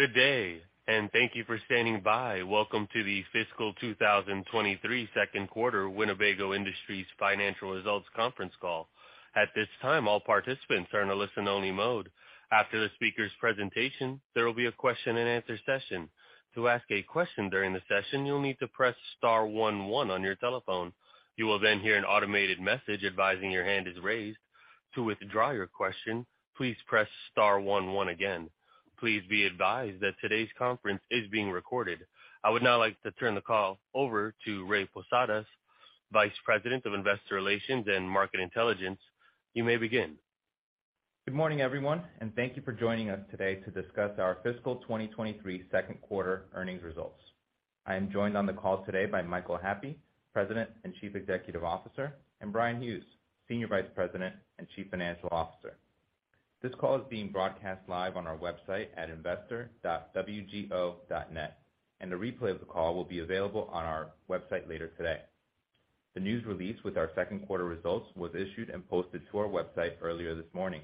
Good day, and thank you for standing by. Welcome to the Fiscal 2023 2Q Winnebago Industries Financial Results Conference Call. At this time, all participants are in a listen-only mode. After the speakers' presentation, there will be a question-and-answer session. To ask a question during the session, you'll need to press star one one on your telephone. You will then hear an automated message advising your hand is raised. To withdraw your question, please press star one one again. Please be advised that today's conference is being recorded. I would now like to turn the call over to Ray Posadas, Vice President of Investor Relations and Market Intelligence. You may begin. Good morning, everyone, and thank you for joining us today to discuss our fiscal 2023 second quarter earnings results. I am joined on the call today by Michael Happe, President and Chief Executive Officer, and Bryan Hughes, Senior Vice President and Chief Financial Officer. This call is being broadcast live on our website at investor.wgo.net, and a replay of the call will be available on our website later today. The news release with our second quarter results was issued and posted to our website earlier this morning.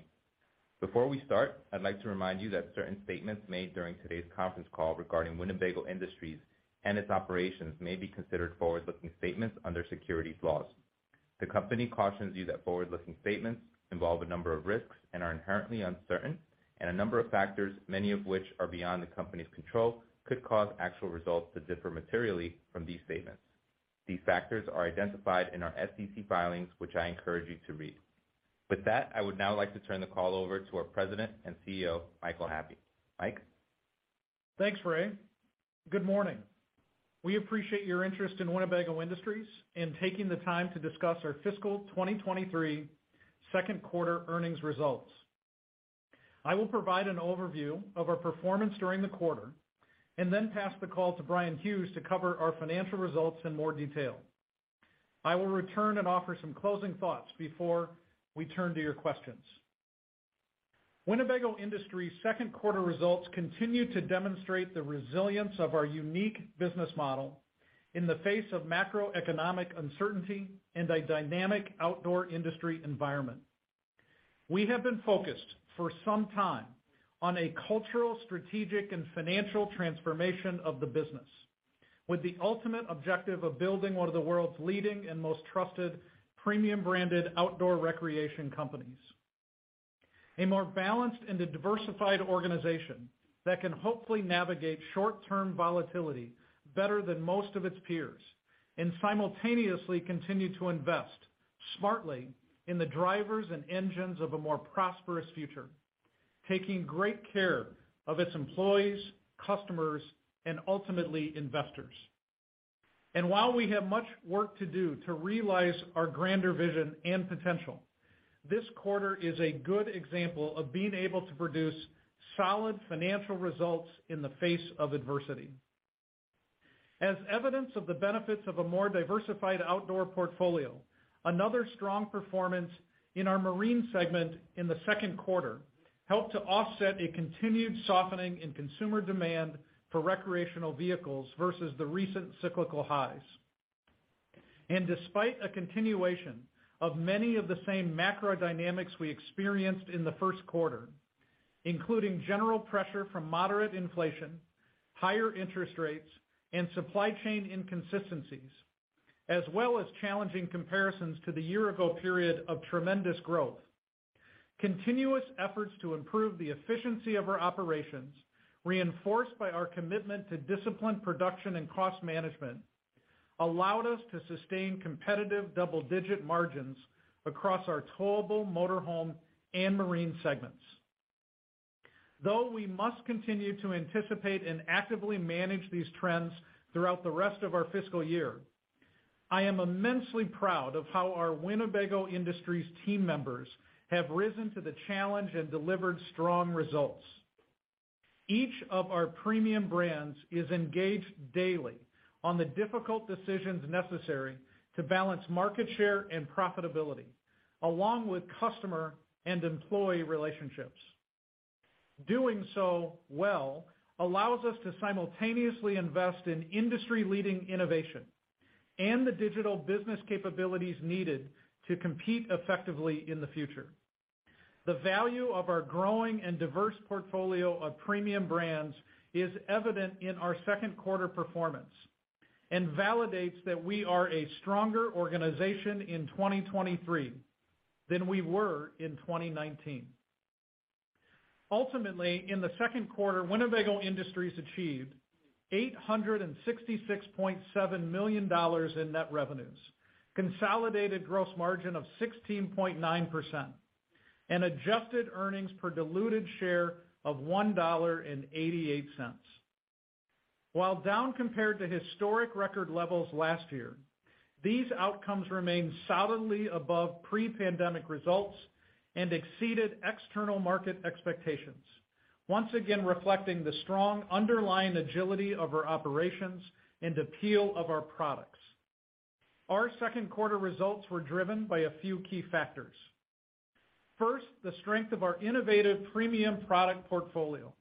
Before we start, I'd like to remind you that certain statements made during today's conference call regarding Winnebago Industries and its operations may be considered forward-looking statements under securities laws. The company cautions you that forward-looking statements involve a number of risks and are inherently uncertain, and a number of factors, many of which are beyond the company's control, could cause actual results to differ materially from these statements. These factors are identified in our SEC filings, which I encourage you to read. With that, I would now like to turn the call over to our President and CEO, Michael Happe. Mike? Thanks, Ray. Good morning. We appreciate your interest in Winnebago Industries and taking the time to discuss our fiscal 2023 second quarter earnings results. I will provide an overview of our performance during the quarter and then pass the call to Bryan Hughes to cover our financial results in more detail. I will return and offer some closing thoughts before we turn to your questions. Winnebago Industries' second quarter results continue to demonstrate the resilience of our unique business model in the face of macroeconomic uncertainty and a dynamic outdoor industry environment. We have been focused for some time on a cultural, strategic, and financial transformation of the business, with the ultimate objective of building one of the world's leading and most trusted premium-branded outdoor recreation companies, a more balanced and a diversified organization that can hopefully navigate short-term volatility better than most of its peers and simultaneously continue to invest smartly in the drivers and engines of a more prosperous future, taking great care of its employees, customers, and ultimately investors. While we have much work to do to realize our grander vision and potential, this quarter is a good example of being able to produce solid financial results in the face of adversity. As evidence of the benefits of a more diversified outdoor portfolio, another strong performance in our Marine segment in the second quarter helped to offset a continued softening in consumer demand for recreational vehicles versus the recent cyclical highs. Despite a continuation of many of the same macro dynamics we experienced in the first quarter, including general pressure from moderate inflation, higher interest rates, and supply chain inconsistencies, as well as challenging comparisons to the year-ago period of tremendous growth, continuous efforts to improve the efficiency of our operations, reinforced by our commitment to disciplined production and cost management, allowed us to sustain competitive double-digit margins across our Towable, Motorhome, and Marine segments. Though we must continue to anticipate and actively manage these trends throughout the rest of our fiscal year, I am immensely proud of how our Winnebago Industries team members have risen to the challenge and delivered strong results. Each of our premium brands is engaged daily on the difficult decisions necessary to balance market share and profitability along with customer and employee relationships. Doing so well allows us to simultaneously invest in industry-leading innovation and the digital business capabilities needed to compete effectively in the future. The value of our growing and diverse portfolio of premium brands is evident in our second quarter performance and validates that we are a stronger organization in 2023 than we were in 2019. Ultimately, in the second quarter, Winnebago Industries achieved $866.7 million in net revenues, consolidated gross margin of 16.9%, and adjusted earnings per diluted share of $1.88. While down compared to historic record levels last year, these outcomes remain solidly above pre-pandemic results and exceeded external market expectations, once again reflecting the strong underlying agility of our operations and appeal of our products. Our second quarter results were driven by a few key factors. First, the strength of our innovative premium product portfolio,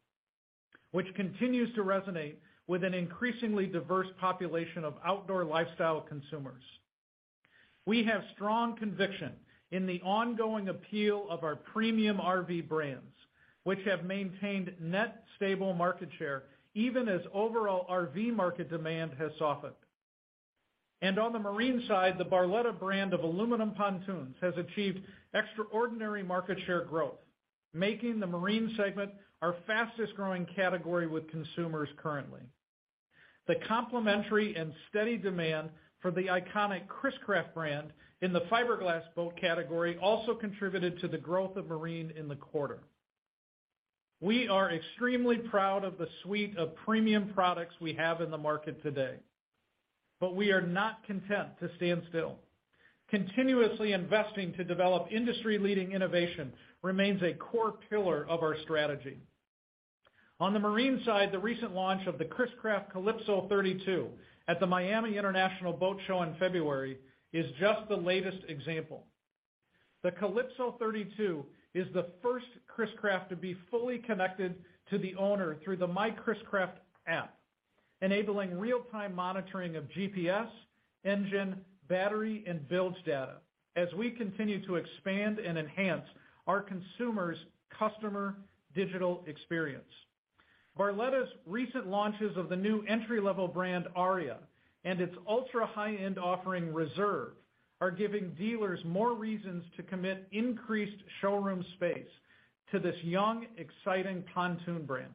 which continues to resonate with an increasingly diverse population of outdoor lifestyle consumers. We have strong conviction in the ongoing appeal of our premium RV brands, which have maintained net stable market share even as overall RV market demand has softened. On the Marine side, the Barletta brand of aluminum pontoons has achieved extraordinary market share growth, making the Marine segment our fastest-growing category with consumers currently. The complimentary and steady demand for the iconic Chris-Craft brand in the fiberglass boat category also contributed to the growth of Marine in the quarter. We are extremely proud of the suite of premium products we have in the market today, but we are not content to stand still. Continuously investing to develop industry-leading innovation remains a core pillar of our strategy. On the Marine side, the recent launch of the Chris-Craft Calypso 32 at the Miami International Boat Show in February is just the latest example. The Calypso 32 is the first Chris-Craft to be fully connected to the owner through the MyChris-Craft app, enabling real-time monitoring of GPS, engine, battery, and bilge data as we continue to expand and enhance our consumer's customer digital experience. Barletta's recent launches of the new entry-level brand, Aria, and its ultra-high-end offering, Reserve, are giving dealers more reasons to commit increased showroom space to this young, exciting pontoon brand.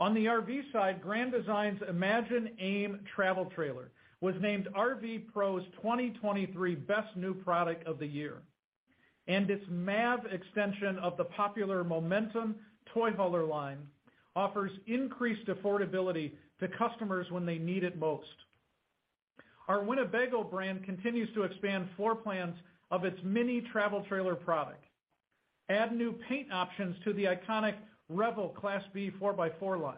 On the RV side, Grand Design's Imagine AIM travel trailer was named RV PRO's 2023 Best New Product of the Year, and its MAV extension of the popular Momentum toy hauler line offers increased affordability to customers when they need it most. Our Winnebago brand continues to expand floor plans of its Minnie travel trailer product, add new paint options to the iconic Revel Class B 4x4 line,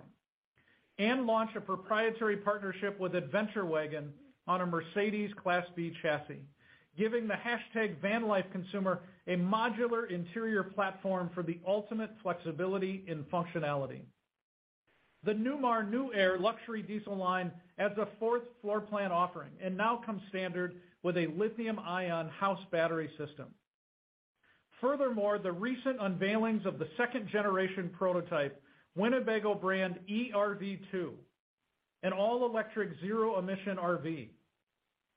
and launch a proprietary partnership with Adventure Wagon on a Mercedes Class B chassis, giving the #VanLife consumer a modular interior platform for the ultimate flexibility and functionality. The Newmar New Aire luxury diesel line adds a fourth floor plan offering and now comes standard with a lithium-ion house battery system. Furthermore, the recent unveilings of the second-generation prototype, Winnebago brand eRV2, an all-electric zero-emission RV,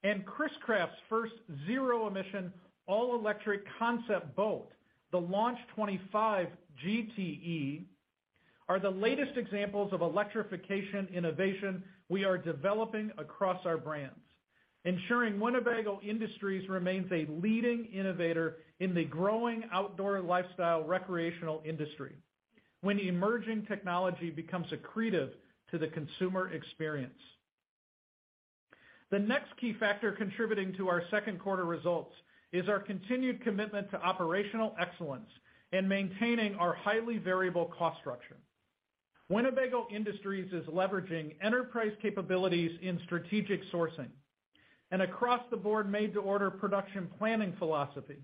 and Chris-Craft's first zero-emission, all-electric concept boat, the Launch 25 GTe, are the latest examples of electrification innovation we are developing across our brands, ensuring Winnebago Industries remains a leading innovator in the growing outdoor lifestyle recreational industry when emerging technology becomes accretive to the consumer experience. The next key factor contributing to our second quarter results is our continued commitment to operational excellence and maintaining our highly variable cost structure. Winnebago Industries is leveraging enterprise capabilities in strategic sourcing and across-the-board made-to-order production planning philosophy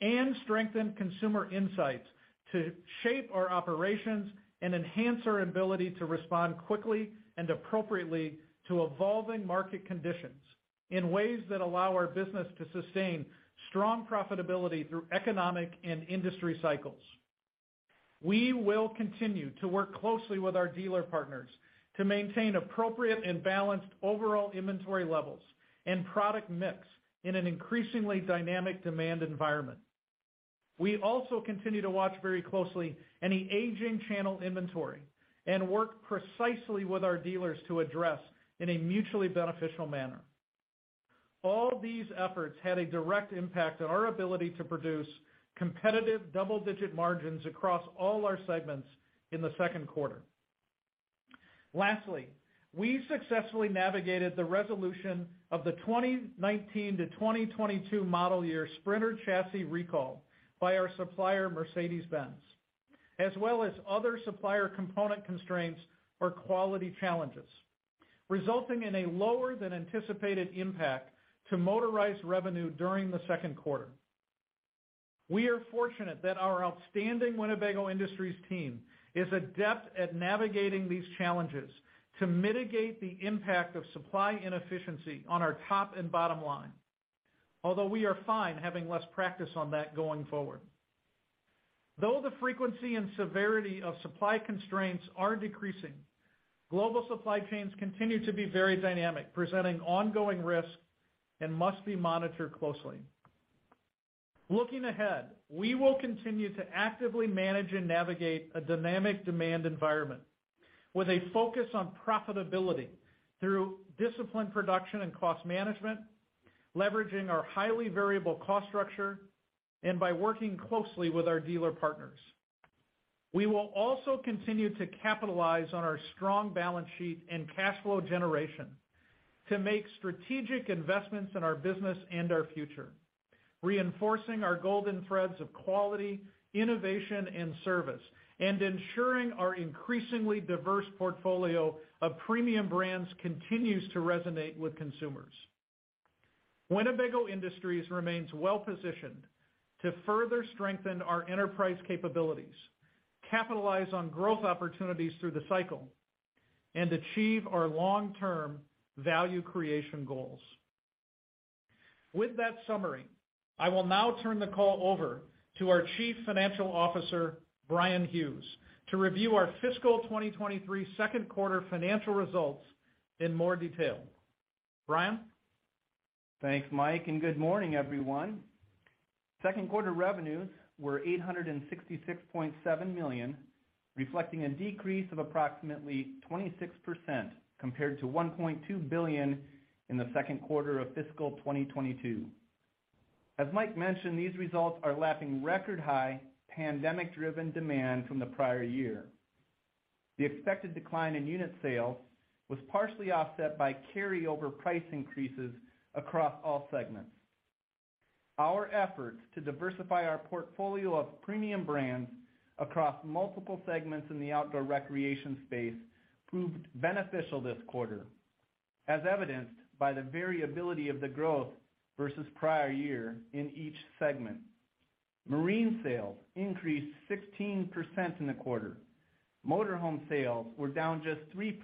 and strengthened consumer insights to shape our operations and enhance our ability to respond quickly and appropriately to evolving market conditions in ways that allow our business to sustain strong profitability through economic and industry cycles. We will continue to work closely with our dealer partners to maintain appropriate and balanced overall inventory levels and product mix in an increasingly dynamic demand environment. We also continue to watch very closely any aging channel inventory and work precisely with our dealers to address in a mutually beneficial manner. All these efforts had a direct impact on our ability to produce competitive double-digit margins across all our segments in the second quarter. Lastly, we successfully navigated the resolution of the 2019-2022 model year Sprinter chassis recall by our supplier, Mercedes-Benz, as well as other supplier component constraints or quality challenges, resulting in a lower than anticipated impact to motorized revenue during the second quarter. We are fortunate that our outstanding Winnebago Industries team is adept at navigating these challenges to mitigate the impact of supply inefficiency on our top and bottom line. Although we are fine having less practice on that going forward. The frequency and severity of supply constraints are decreasing, global supply chains continue to be very dynamic, presenting ongoing risk and must be monitored closely. Looking ahead, we will continue to actively manage and navigate a dynamic demand environment with a focus on profitability through disciplined production and cost management, leveraging our highly variable cost structure, and by working closely with our dealer partners. We will also continue to capitalize on our strong balance sheet and cash flow generation to make strategic investments in our business and our future, reinforcing our golden threads of quality, innovation, and service, and ensuring our increasingly diverse portfolio of premium brands continues to resonate with consumers. Winnebago Industries remains well-positioned to further strengthen our enterprise capabilities, capitalize on growth opportunities through the cycle. Achieve our long-term value creation goals. With that summary, I will now turn the call over to our Chief Financial Officer, Bryan Hughes, to review our fiscal 2023 second quarter financial results in more detail. Bryan? Thanks, Mike. Good morning, everyone. Second quarter revenues were $866.7 million, reflecting a decrease of approximately 26% compared to $1.2 billion in the second quarter of fiscal 2022. As Mike mentioned, these results are lapping record high pandemic-driven demand from the prior year. The expected decline in unit sales was partially offset by carryover price increases across all segments. Our efforts to diversify our portfolio of premium brands across multiple segments in the outdoor recreation space proved beneficial this quarter, as evidenced by the variability of the growth versus prior year in each segment. Marine sales increased 16% in the quarter. Motorhome sales were down just 3%.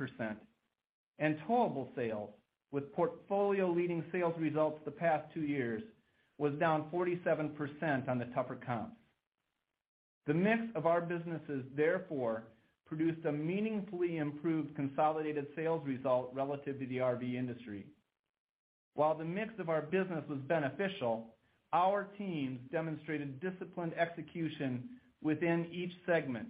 Towable sales, with portfolio leading sales results the past two years, was down 47% on the tougher comps. The mix of our businesses therefore produced a meaningfully improved consolidated sales result relative to the RV industry. While the mix of our business was beneficial, our teams demonstrated disciplined execution within each segment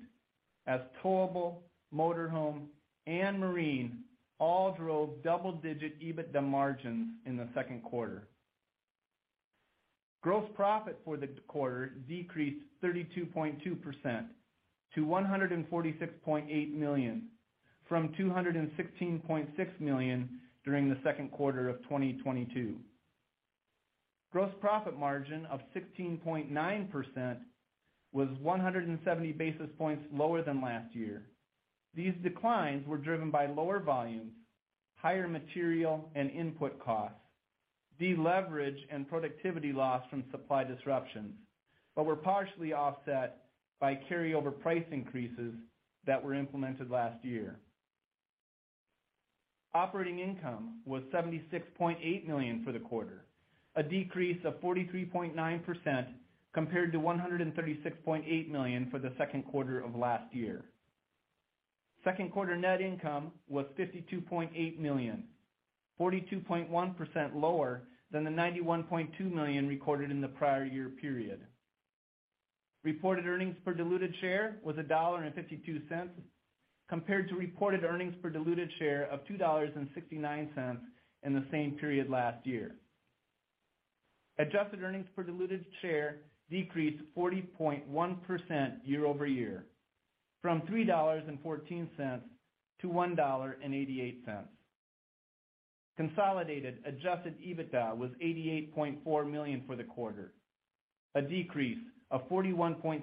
as Towable, Motorhome, and Marine all drove double-digit EBITDA margins in the second quarter. Gross profit for the quarter decreased 32.2% to $146.8 million, from $216.6 million during the second quarter of 2022. Gross profit margin of 16.9% was 170 basis points lower than last year. These declines were driven by lower volumes, higher material and input costs, deleverage and productivity loss from supply disruptions, but were partially offset by carryover price increases that were implemented last year. Operating income was $76.8 million for the quarter, a decrease of 43.9% compared to $136.8 million for the second quarter of last year. Second quarter net income was $52.8 million, 42.1% lower than the $91.2 million recorded in the prior year period. Reported earnings per diluted share was $1.52, compared to reported earnings per diluted share of $2.69 in the same period last year. Adjusted earnings per diluted share decreased 40.1% year-over-year from $3.14 to $1.88. Consolidated adjusted EBITDA was $88.4 million for the quarter, a decrease of 41.3%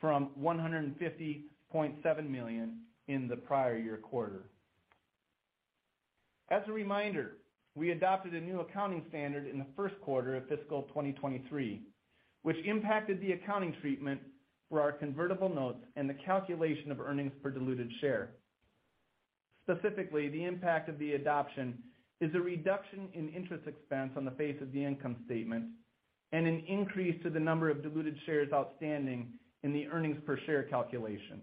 from $150.7 million in the prior year quarter. As a reminder, we adopted a new accounting standard in the first quarter of fiscal 2023, which impacted the accounting treatment for our convertible notes and the calculation of earnings per diluted share. Specifically, the impact of the adoption is a reduction in interest expense on the face of the income statement and an increase to the number of diluted shares outstanding in the earnings per share calculation.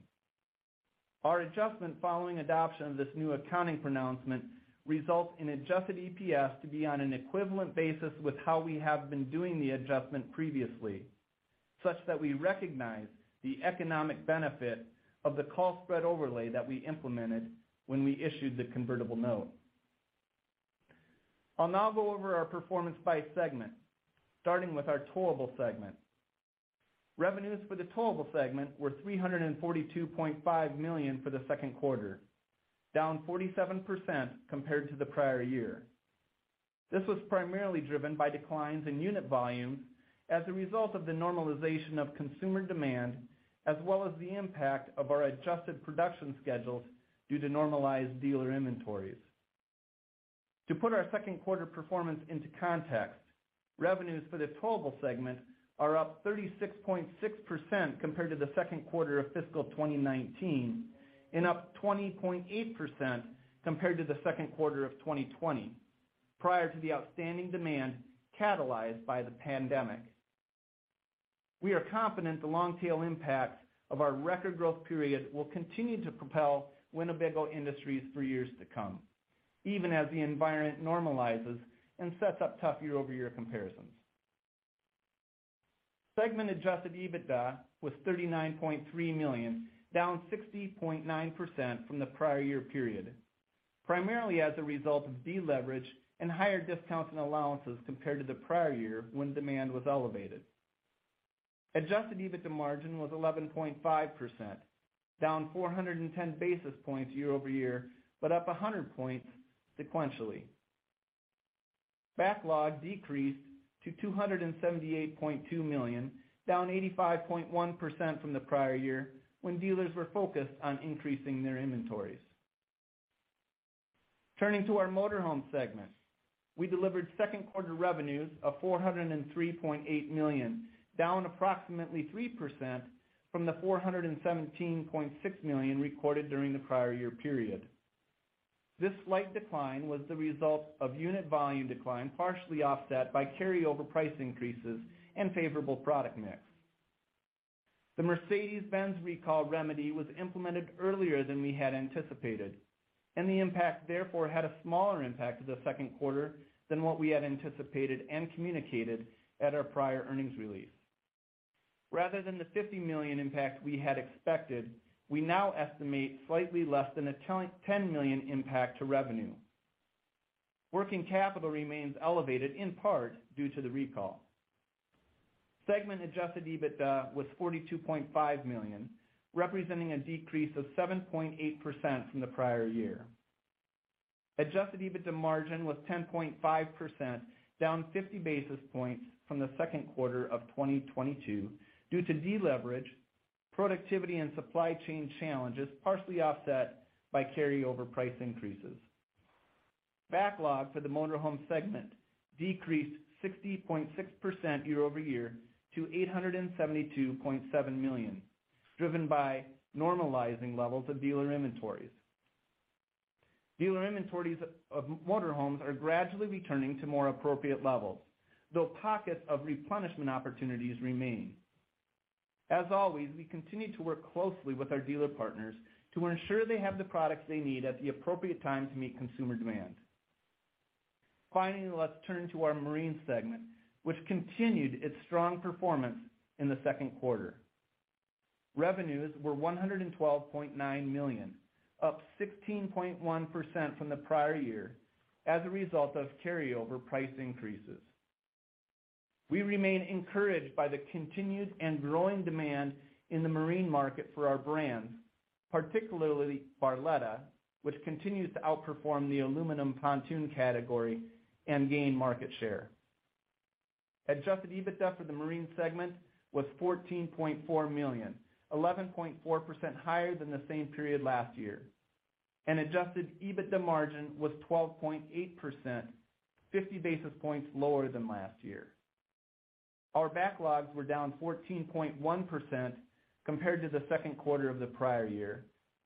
Our adjustment following adoption of this new accounting pronouncement results in adjusted EPS to be on an equivalent basis with how we have been doing the adjustment previously, such that we recognize the economic benefit of the call spread overlay that we implemented when we issued the convertible note. I'll now go over our performance by segment, starting with our Towable segment. Revenues for the Towable segment were $342.5 million for the second quarter, down 47% compared to the prior year. This was primarily driven by declines in unit volume as a result of the normalization of consumer demand, as well as the impact of our adjusted production schedules due to normalized dealer inventories. To put our second quarter performance into context, revenues for the Towable segment are up 36.6% compared to the second quarter of fiscal 2019, and up 20.8% compared to the second quarter of 2020, prior to the outstanding demand catalyzed by the pandemic. We are confident the long tail impact of our record growth period will continue to propel Winnebago Industries for years to come, even as the environment normalizes and sets up tough year-over-year comparisons. Segment adjusted EBITDA was $39.3 million, down 60.9% from the prior year period, primarily as a result of deleverage and higher discounts and allowances compared to the prior year when demand was elevated. Adjusted EBITDA margin was 11.5%, down 410 basis points year-over-year, but up 100 points sequentially. Backlog decreased to $278.2 million, down 85.1% from the prior year when dealers were focused on increasing their inventories. Turning to our Motorhome segment. We delivered second quarter revenues of $403.8 million, down approximately 3% from the $417.6 million recorded during the prior year period. This slight decline was the result of unit volume decline, partially offset by carryover price increases and favorable product mix. The Mercedes-Benz recall remedy was implemented earlier than we had anticipated, and the impact therefore had a smaller impact to the second quarter than what we had anticipated and communicated at our prior earnings release. Rather than the $50 million impact we had expected, we now estimate slightly less than a $10 million impact to revenue. Working capital remains elevated in part due to the recall. Segment adjusted EBITDA was $42.5 million, representing a decrease of 7.8% from the prior year. Adjusted EBITDA margin was 10.5%, down 50 basis points from the second quarter of 2022 due to deleverage, productivity and supply chain challenges, partially offset by carryover price increases. Backlog for the Motorhome segment decreased 60.6% year-over-year to $872.7 million, driven by normalizing levels of dealer inventories. Dealer inventories of motor homes are gradually returning to more appropriate levels, though pockets of replenishment opportunities remain. As always, we continue to work closely with our dealer partners to ensure they have the products they need at the appropriate time to meet consumer demand. Finally, let's turn to our Marine segment, which continued its strong performance in the second quarter. Revenues were $112.9 million, up 16.1% from the prior year as a result of carryover price increases. We remain encouraged by the continued and growing demand in the Marine market for our brands, particularly Barletta, which continues to outperform the aluminum pontoon category and gain market share. Adjusted EBITDA for the Marine segment was $14.4 million, 11.4% higher than the same period last year, and adjusted EBITDA margin was 12.8%, 50 basis points lower than last year. Our backlogs were down 14.1% compared to the second quarter of the prior year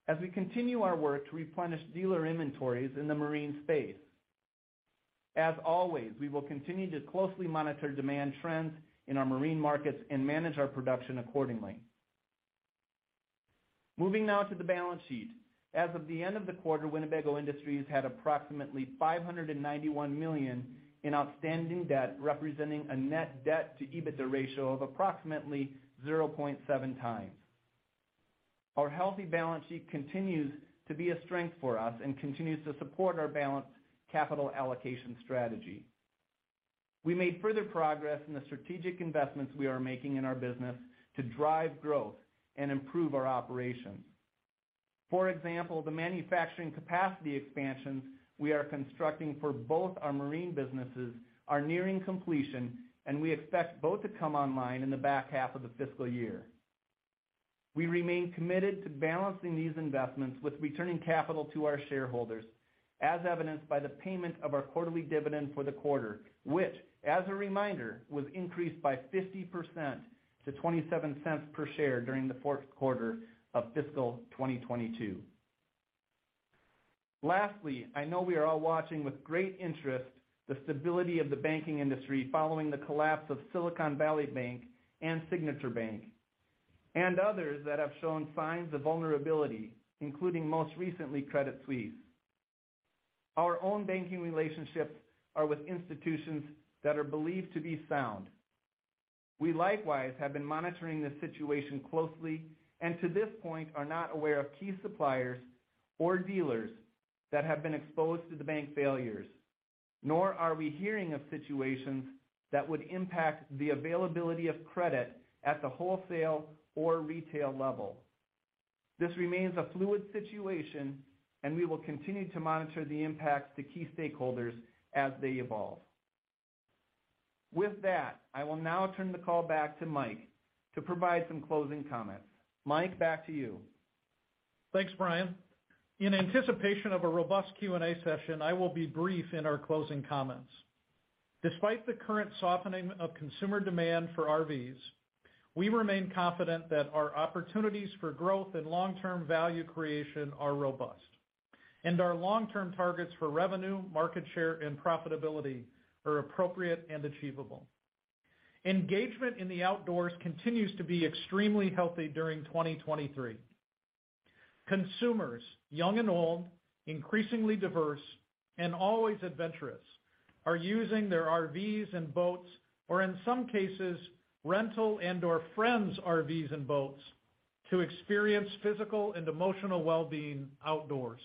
as we continue our work to replenish dealer inventories in the Marine space. As always, we will continue to closely monitor demand trends in our Marine markets and manage our production accordingly. Moving now to the balance sheet. As of the end of the quarter, Winnebago Industries had approximately $591 million in outstanding debt, representing a net debt to EBITDA ratio of approximately 0.7x. Our healthy balance sheet continues to be a strength for us and continues to support our balanced capital allocation strategy. We made further progress in the strategic investments we are making in our business to drive growth and improve our operations. For example, the manufacturing capacity expansions we are constructing for both our Marine businesses are nearing completion, and we expect both to come online in the back half of the fiscal year. We remain committed to balancing these investments with returning capital to our shareholders, as evidenced by the payment of our quarterly dividend for the quarter, which, as a reminder, was increased by 50% to $0.27 per share during the fourth quarter of fiscal 2022. Lastly, I know we are all watching with great interest the stability of the banking industry following the collapse of Silicon Valley Bank and Signature Bank, and others that have shown signs of vulnerability, including most recently, Credit Suisse. Our own banking relationships are with institutions that are believed to be sound. We likewise have been monitoring the situation closely and to this point, are not aware of key suppliers or dealers that have been exposed to the bank failures, nor are we hearing of situations that would impact the availability of credit at the wholesale or retail level. This remains a fluid situation and we will continue to monitor the impacts to key stakeholders as they evolve. With that, I will now turn the call back to Mike to provide some closing comments. Mike, back to you. Thanks, Bryan. In anticipation of a robust Q&A session, I will be brief in our closing comments. Despite the current softening of consumer demand for RVs, we remain confident that our opportunities for growth and long-term value creation are robust, and our long-term targets for revenue, market share, and profitability are appropriate and achievable. Engagement in the outdoors continues to be extremely healthy during 2023. Consumers, young and old, increasingly diverse and always adventurous, are using their RVs and boats, or in some cases rental and/or friends' RVs and boats to experience physical and emotional wellbeing outdoors.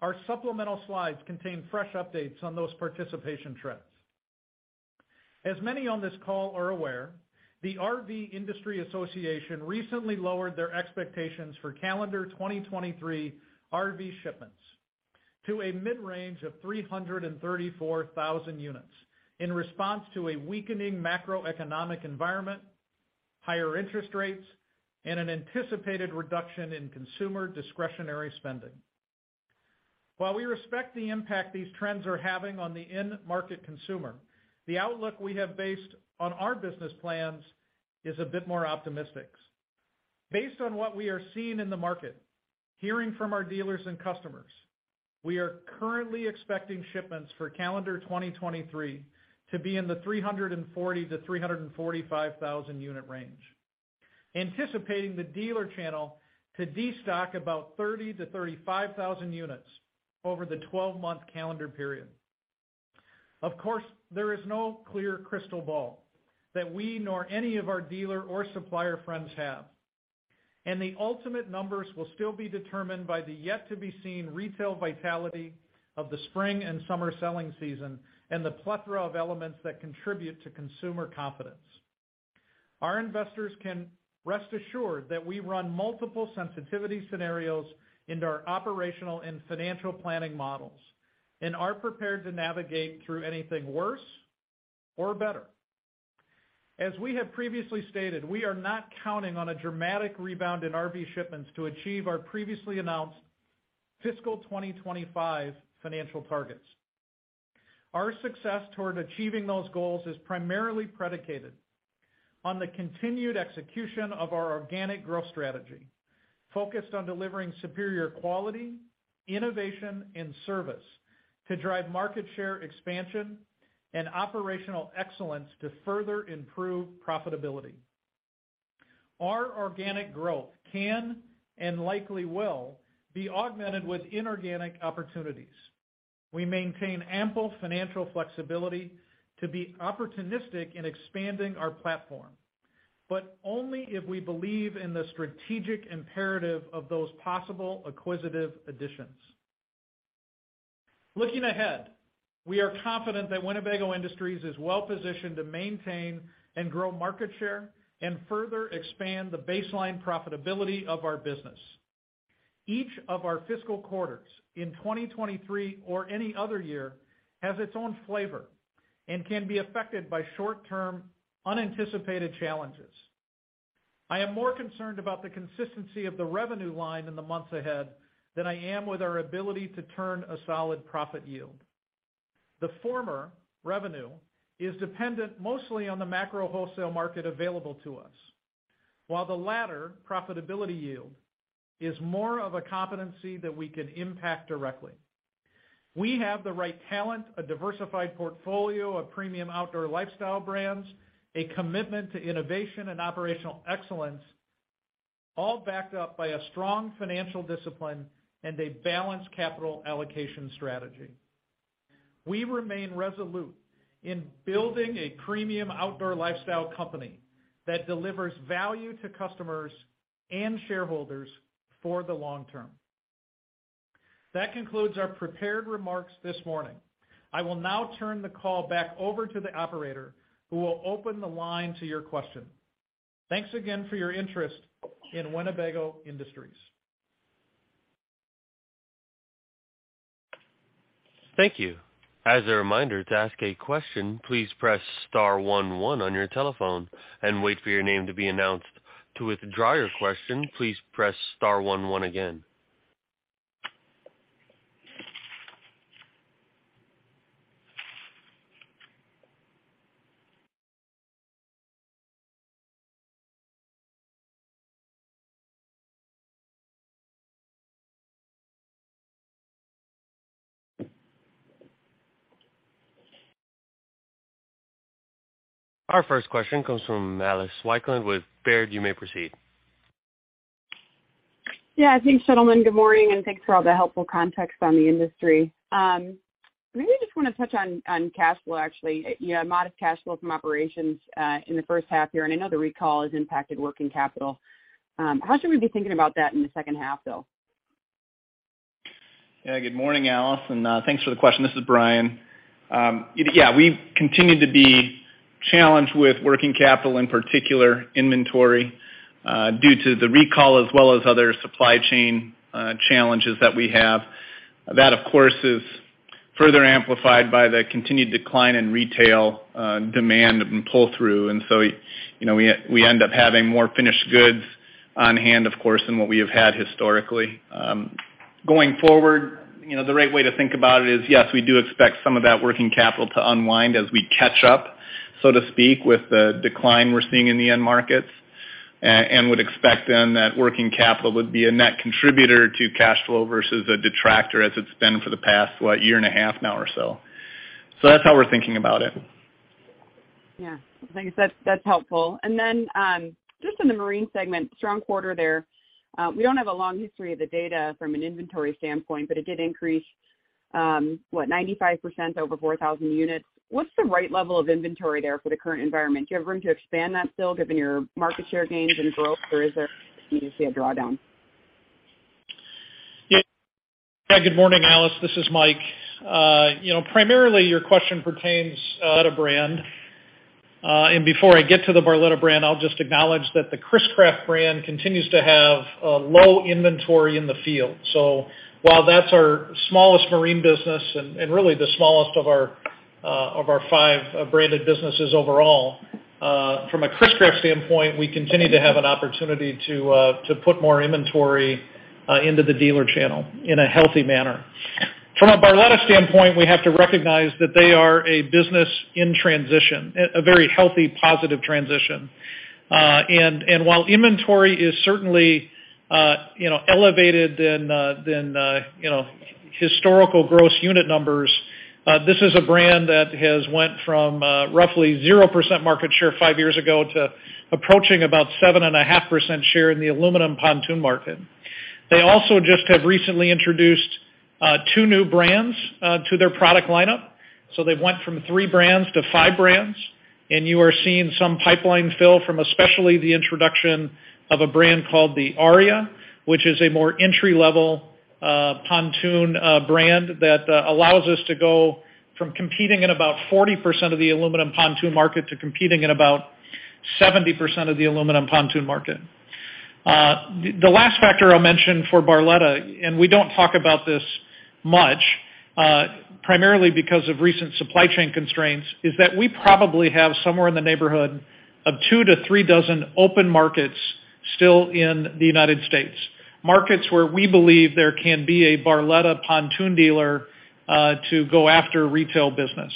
Our supplemental slides contain fresh updates on those participation trends. As many on this call are aware, the RV Industry Association recently lowered their expectations for calendar 2023 RV shipments to a mid-range of 334,000 units in response to a weakening macroeconomic environment. Higher interest rates and an anticipated reduction in consumer discretionary spending. While we respect the impact these trends are having on the end market consumer, the outlook we have based on our business plans is a bit more optimistic. Based on what we are seeing in the market, hearing from our dealers and customers, we are currently expecting shipments for calendar 2023 to be in the 340,000-345,000 unit range, anticipating the dealer channel to destock about 30,000-35,000 units over the 12-month calendar period. Of course, there is no clear crystal ball that we nor any of our dealer or supplier friends have, and the ultimate numbers will still be determined by the yet to be seen retail vitality of the spring and summer selling season and the plethora of elements that contribute to consumer confidence. Our investors can rest assured that we run multiple sensitivity scenarios into our operational and financial planning models and are prepared to navigate through anything worse or better. As we have previously stated, we are not counting on a dramatic rebound in RV shipments to achieve our previously announced fiscal 2025 financial targets. Our success toward achieving those goals is primarily predicated on the continued execution of our organic growth strategy, focused on delivering superior quality, innovation and service to drive market share expansion and operational excellence to further improve profitability. Our organic growth can and likely will be augmented with inorganic opportunities. We maintain ample financial flexibility to be opportunistic in expanding our platform, but only if we believe in the strategic imperative of those possible acquisitive additions. Looking ahead, we are confident that Winnebago Industries is well positioned to maintain and grow market share and further expand the baseline profitability of our business. Each of our fiscal quarters in 2023 or any other year has its own flavor and can be affected by short-term unanticipated challenges. I am more concerned about the consistency of the revenue line in the months ahead than I am with our ability to turn a solid profit yield. The former, revenue, is dependent mostly on the macro wholesale market available to us, while the latter, profitability yield, is more of a competency that we can impact directly. We have the right talent, a diversified portfolio of premium outdoor lifestyle brands, a commitment to innovation and operational excellence, all backed up by a strong financial discipline and a balanced capital allocation strategy. We remain resolute in building a premium outdoor lifestyle company that delivers value to customers and shareholders for the long term. That concludes our prepared remarks this morning. I will now turn the call back over to the operator, who will open the line to your questions. Thanks again for your interest in Winnebago Industries. Thank you. As a reminder, to ask a question, please press star one one on your telephone and wait for your name to be announced. To withdraw your question, please press star one one again. Our first question comes from Alice Wycklendt with Baird. You may proceed. Yeah. Thanks, gentlemen. Good morning, thanks for all the helpful context on the industry. Maybe just wanna touch on cash flow, actually. You had modest cash flow from operations in the first half year, and I know the recall has impacted working capital. How should we be thinking about that in the second half though? Yeah. Good morning, Alice, and thanks for the question. This is Bryan. Yeah, we've continued to be challenged with working capital, in particular inventory, due to the recall as well as other supply chain challenges that we have. That, of course, is further amplified by the continued decline in retail demand and pull-through. You know, we end up having more finished goods on hand of course than what we have had historically. Going forward, you know, the right way to think about it is, yes, we do expect some of that working capital to unwind as we catch up, so to speak, with the decline we're seeing in the end markets and would expect then that working capital would be a net contributor to cash flow versus a detractor as it's been for the past, what, year and a half now or so. That's how we're thinking about it. Yeah. Thanks. That's, that's helpful. Just in the Marine segment, strong quarter there. We don't have a long history of the data from an inventory standpoint, but it did increase, what, 95% over 4,000 units. What's the right level of inventory there for the current environment? Do you have room to expand that still given your market share gains and growth, or is there a drawdown? Yeah. Good morning, Alice. This is Mike. you know, primarily your question pertains to the Barletta brand. before I get to the Barletta brand, I'll just acknowledge that the Chris-Craft brand continues to have a low inventory in the field. while that's our smallest Marine business and really the smallest of our five branded businesses overall. from a Chris-Craft standpoint, we continue to have an opportunity to put more inventory into the dealer channel in a healthy manner. From a Barletta standpoint, we have to recognize that they are a business in transition, a very healthy, positive transition. While inventory is certainly, you know, elevated than, you know, historical gross unit numbers, this is a brand that has went from roughly 0% market share five years ago to approaching about 7.5% share in the aluminum pontoon market. They also just have recently introduced two new brands to their product lineup. They went from three brands to five brands. You are seeing some pipeline fill from especially the introduction of a brand called the Aria, which is a more entry-level pontoon brand that allows us to go from competing in about 40% of the aluminum pontoon market to competing in about 70% of the aluminum pontoon market. The last factor I'll mention for Barletta, and we don't talk about this much, primarily because of recent supply chain constraints, is that we probably have somewhere in the neighborhood of two to three dozen open markets still in the United States. Markets where we believe there can be a Barletta pontoon dealer to go after retail business.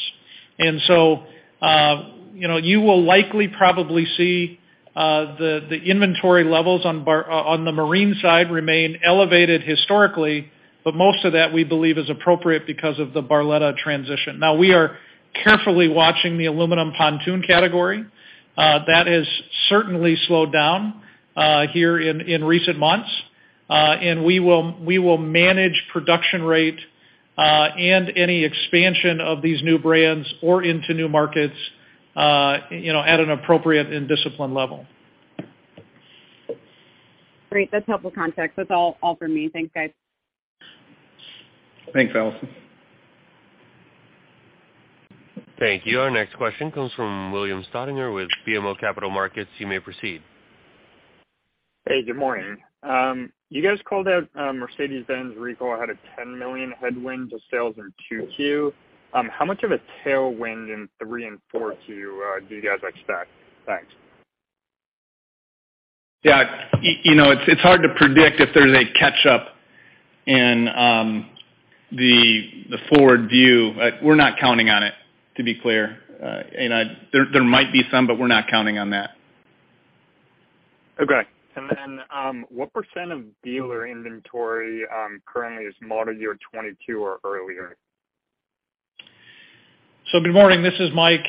You know, you will likely probably see the inventory levels on the Marine side remain elevated historically, but most of that, we believe is appropriate because of the Barletta transition. Now, we are carefully watching the aluminum pontoon category. That has certainly slowed down here in recent months. We will manage production rate, and any expansion of these new brands or into new markets, you know, at an appropriate and disciplined level. Great. That's helpful context. That's all for me. Thanks, guys. Thanks, Alice. Thank you. Our next question comes from William Staudinger with BMO Capital Markets. You may proceed. Hey, good morning. You guys called out, Mercedes-Benz recall had a $10 million headwind to sales in 2Q. How much of a tailwind in 3Q and 4Q, do you guys expect? Thanks. Yeah. You know, it's hard to predict if there's a catch-up in the forward view. We're not counting on it, to be clear. There might be some, but we're not counting on that. Okay. What percent of dealer inventory currently is model year 2022 or earlier? Good morning. This is Mike.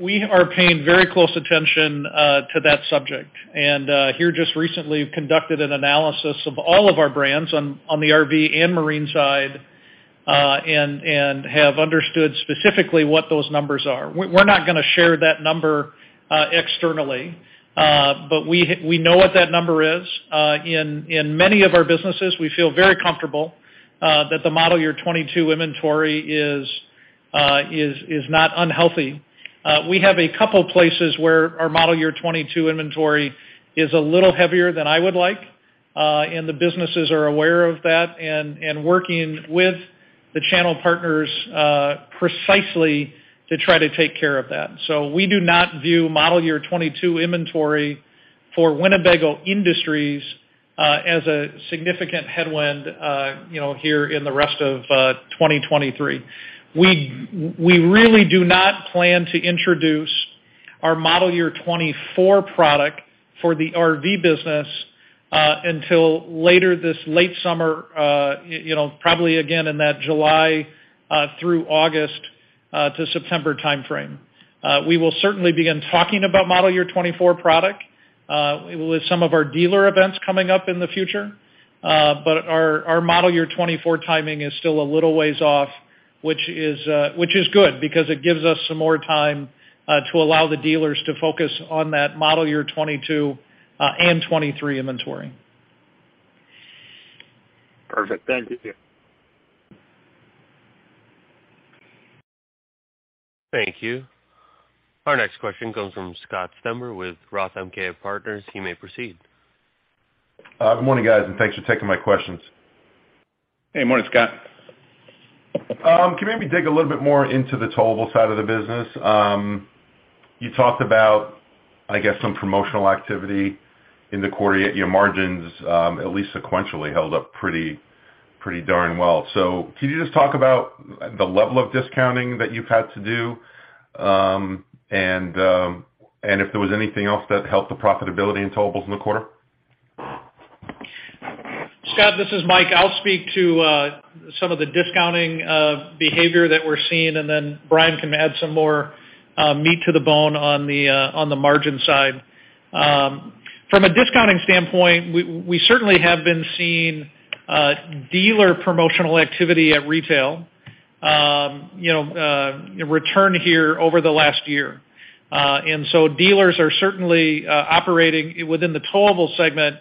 We are paying very close attention to that subject. Here just recently conducted an analysis of all of our brands on the RV and Marine side, and have understood specifically what those numbers are. We're not gonna share that number externally, but we know what that number is. In many of our businesses, we feel very comfortable that the model year 2022 inventory is not unhealthy. We have a couple places where our model year 2022 inventory is a little heavier than I would like, and the businesses are aware of that and working with the channel partners precisely to try to take care of that. We do not view model year 2022 inventory for Winnebago Industries as a significant headwind, you know, here in the rest of 2023. We really do not plan to introduce our model year 2024 product for the RV business until later this late summer, you know, probably again in that July through August to September timeframe. We will certainly begin talking about model year 2024 product with some of our dealer events coming up in the future. Our model year 2024 timing is still a little ways off, which is good because it gives us some more time to allow the dealers to focus on that model year 2022 and 2023 inventory. Perfect. Thank you. Thank you. Our next question comes from Scott Stember with Roth MKM Partners. You may proceed. Good morning, guys, thanks for taking my questions. Hey, morning, Scott. Can you maybe dig a little bit more into the Towable side of the business? You talked about, I guess, some promotional activity in the quarter. Your margins, at least sequentially, held up pretty darn well. Can you just talk about the level of discounting that you've had to do, and if there was anything else that helped the profitability in Towable in the quarter? Scott, this is Mike. I'll speak to some of the discounting behavior that we're seeing, and then Bryan can add some more meat to the bone on the margin side. From a discounting standpoint, we certainly have been seeing dealer promotional activity at retail, you know, return here over the last year. Dealers are certainly operating within the Towable segment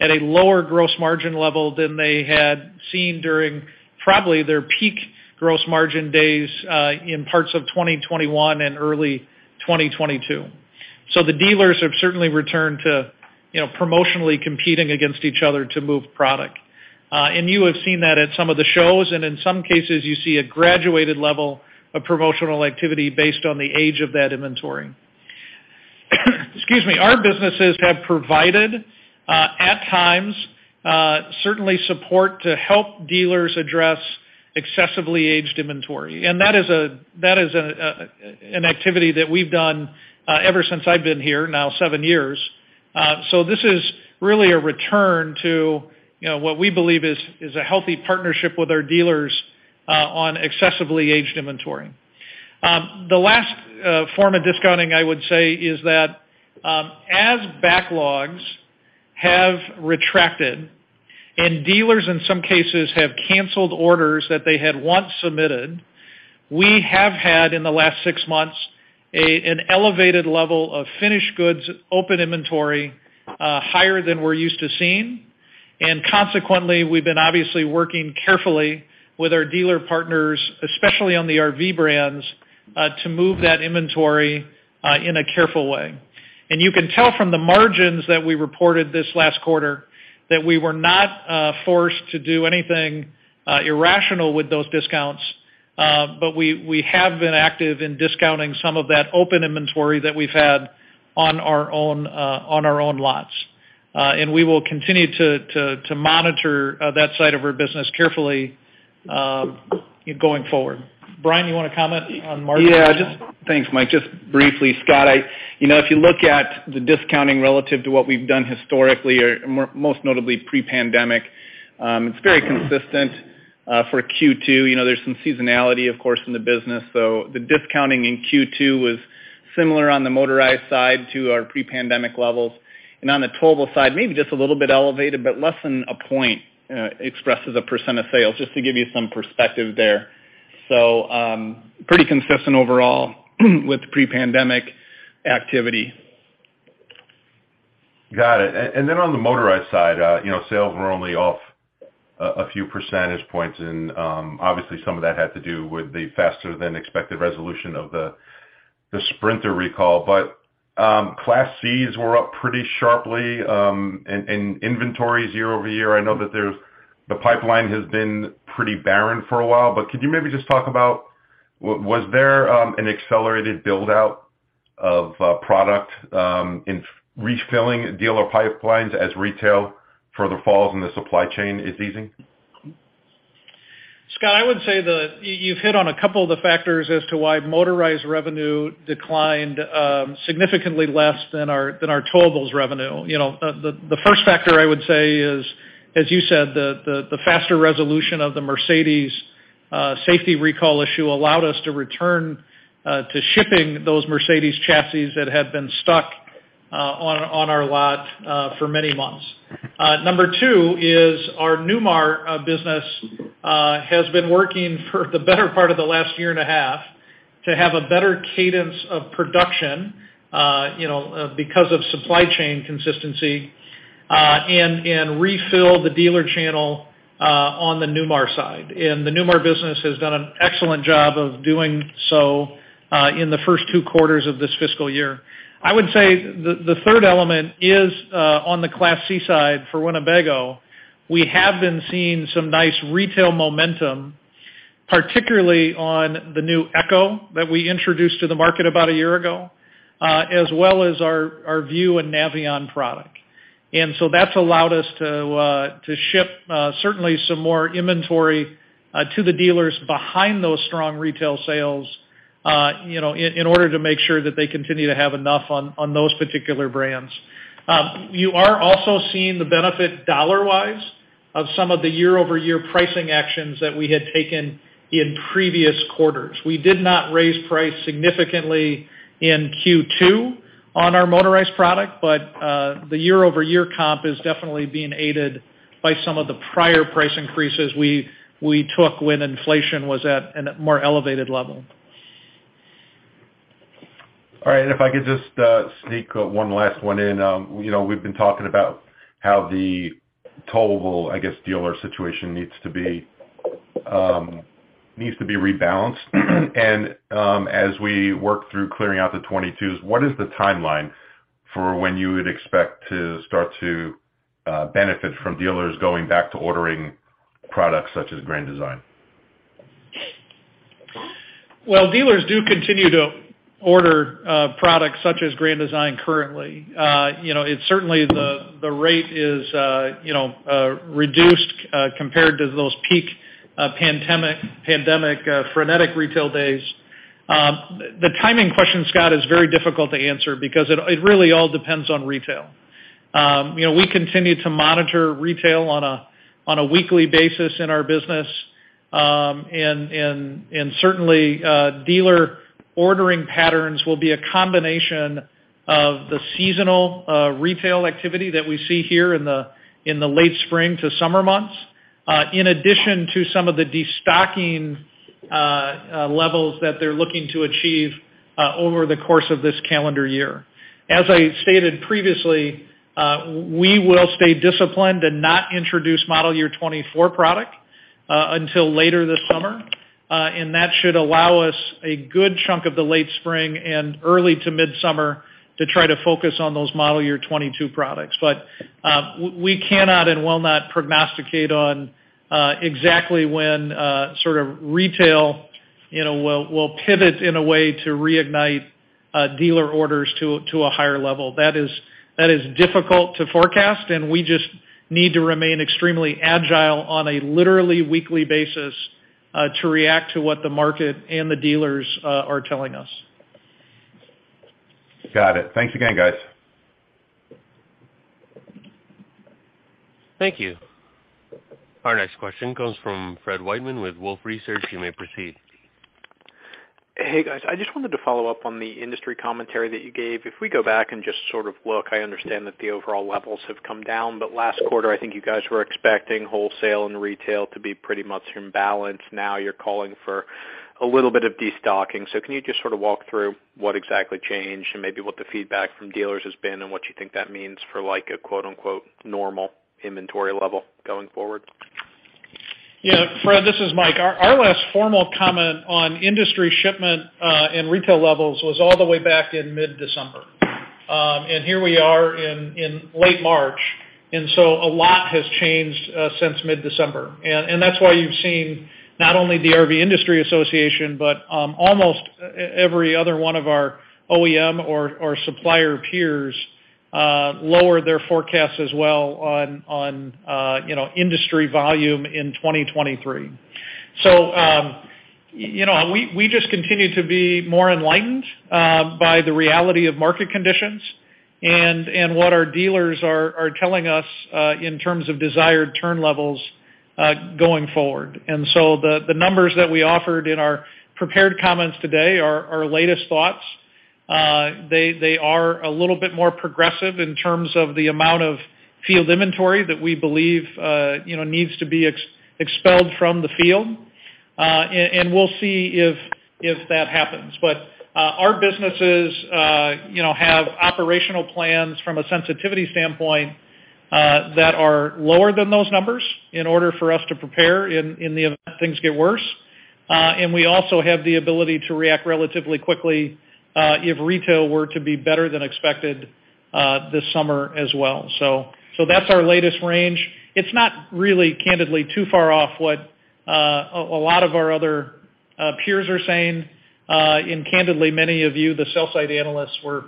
at a lower gross margin level than they had seen during probably their peak gross margin days in parts of 2021 and early 2022. The dealers have certainly returned to, you know, promotionally competing against each other to move product. You have seen that at some of the shows, and in some cases, you see a graduated level of promotional activity based on the age of that inventory. Excuse me. Our businesses have provided, at times, certainly support to help dealers address excessively aged inventory. That is an activity that we've done ever since I've been here, now seven years. This is really a return to, you know, what we believe is a healthy partnership with our dealers on excessively aged inventory. The last form of discounting, I would say, is that as backlogs have retracted and dealers, in some cases, have canceled orders that they had once submitted, we have had, in the last six months, an elevated level of finished goods open inventory, higher than we're used to seeing. Consequently, we've been obviously working carefully with our dealer partners, especially on the RV brands, to move that inventory in a careful way. You can tell from the margins that we reported this last quarter that we were not forced to do anything irrational with those discounts. We have been active in discounting some of that open inventory that we've had on our own, on our own lots. We will continue to monitor that side of our business carefully going forward. Bryan, you wanna comment on margins? Thanks, Mike. Just briefly, Scott, you know, if you look at the discounting relative to what we've done historically or most notably pre-pandemic, it's very consistent for Q2. You know, there's some seasonality, of course, in the business, so the discounting in Q2 was similar on the motorized side to our pre-pandemic levels. On the Towable side, maybe just a little bit elevated, but less than 1 point expressed as a percent of sales, just to give you some perspective there. Pretty consistent overall with pre-pandemic activity. Got it. Then on the motorized side, you know, sales were only off a few percentage points and obviously, some of that had to do with the faster than expected resolution of the Sprinter recall. Class Cs were up pretty sharply, and inventories year-over-year, I know that the pipeline has been pretty barren for a while, could you maybe just talk about there an accelerated build-out of product in refilling dealer pipelines as retail further falls and the supply chain is easing? Scott, I would say that you've hit on a couple of the factors as to why motorized revenue declined significantly less than our, than our Towables revenue. You know, the first factor I would say is, as you said, the, the faster resolution of the Mercedes safety recall issue allowed us to return to shipping those Mercedes chassis that had been stuck on our lot for many months. Number two is our Newmar business has been working for the better part of the last year and a half to have a better cadence of production, you know, because of supply chain consistency, and refill the dealer channel on the Newmar side. The Newmar business has done an excellent job of doing so in the first two quarters of this fiscal year. I would say the third element is on the Class C side for Winnebago. We have been seeing some nice retail momentum, particularly on the new EKKO that we introduced to the market about a year ago, as well as our View and Navion product. That's allowed us to ship certainly some more inventory to the dealers behind those strong retail sales, you know, in order to make sure that they continue to have enough on those particular brands. You are also seeing the benefit dollar-wise of some of the year-over-year pricing actions that we had taken in previous quarters. We did not raise price significantly in Q2 on our motorized product, but the year-over-year comp is definitely being aided by some of the prior price increases we took when inflation was at an more elevated level. All right. If I could just sneak one last one in. You know, we've been talking about how the Towable, I guess, dealer situation needs to be, needs to be rebalanced. As we work through clearing out the 2022s, what is the timeline for when you would expect to start to benefit from dealers going back to ordering products such as Grand Design? Well, dealers do continue to order products such as Grand Design currently. You know, it's certainly the rate is reduced compared to those peak pandemic frenetic retail days. The timing question, Scott, is very difficult to answer because it really all depends on retail. You know, we continue to monitor retail on a weekly basis in our business. And certainly, dealer ordering patterns will be a combination of the seasonal retail activity that we see here in the late spring to summer months, in addition to some of the destocking levels that they're looking to achieve over the course of this calendar year. As I stated previously, we will stay disciplined and not introduce model year 2024 product until later this summer. That should allow us a good chunk of the late spring and early to mid-summer to try to focus on those model year 2022 products. We cannot and will not prognosticate on exactly when sort of retail, you know, will pivot in a way to reignite dealer orders to a higher level. That is difficult to forecast, and we just need to remain extremely agile on a literally weekly basis to react to what the market and the dealers are telling us. Got it. Thanks again, guys. Thank you. Our next question comes from Fred Wightman with Wolfe Research. You may proceed. Hey, guys. I just wanted to follow up on the industry commentary that you gave. If we go back and just sort of look, I understand that the overall levels have come down. Last quarter, I think you guys were expecting wholesale and retail to be pretty much in balance. Now you're calling for a little bit of destocking. Can you just sort of walk through what exactly changed and maybe what the feedback from dealers has been and what you think that means for, like, a quote-unquote, normal inventory level going forward? Yeah. Fred, this is Mike. Our last formal comment on industry shipment and retail levels was all the way back in mid-December. Here we are in late March, a lot has changed since mid-December. That's why you've seen not only the RV Industry Association, but almost every other one of our OEM or supplier peers lower their forecast as well on, you know, industry volume in 2023. You know, we just continue to be more enlightened by the reality of market conditions and what our dealers are telling us in terms of desired turn levels going forward. The numbers that we offered in our prepared comments today are our latest thoughts. They are a little bit more progressive in terms of the amount of field inventory that we believe, you know, needs to be expelled from the field. We'll see if that happens. Our businesses, you know, have operational plans from a sensitivity standpoint that are lower than those numbers in order for us to prepare in the event things get worse. We also have the ability to react relatively quickly if retail were to be better than expected this summer as well. That's our latest range. It's not really candidly too far off what a lot of our other peers are saying. Candidly, many of you, the sell-side analysts were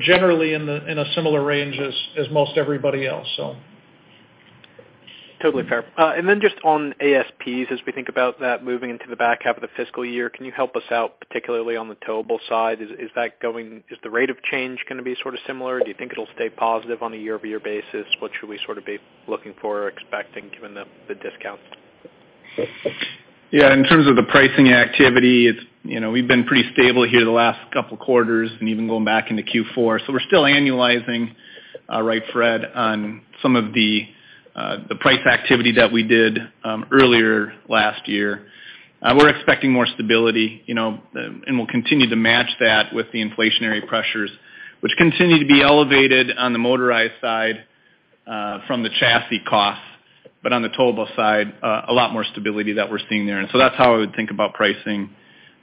generally in a similar range as most everybody else. Totally fair. Then just on ASPs, as we think about that moving into the back half of the fiscal year, can you help us out, particularly on the Towable side? Is the rate of change gonna be sort of similar? Do you think it'll stay positive on a year-over-year basis? What should we sort of be looking for or expecting given the discount? Yeah. In terms of the pricing activity, it's, you know, we've been pretty stable here the last couple quarters and even going back into Q4. We're still annualizing, right, Fred, on some of the price activity that we did earlier last year. We're expecting more stability, you know, and we'll continue to match that with the inflationary pressures, which continue to be elevated on the motorized side, from the chassis costs. On the Towable side, a lot more stability that we're seeing there. That's how I would think about pricing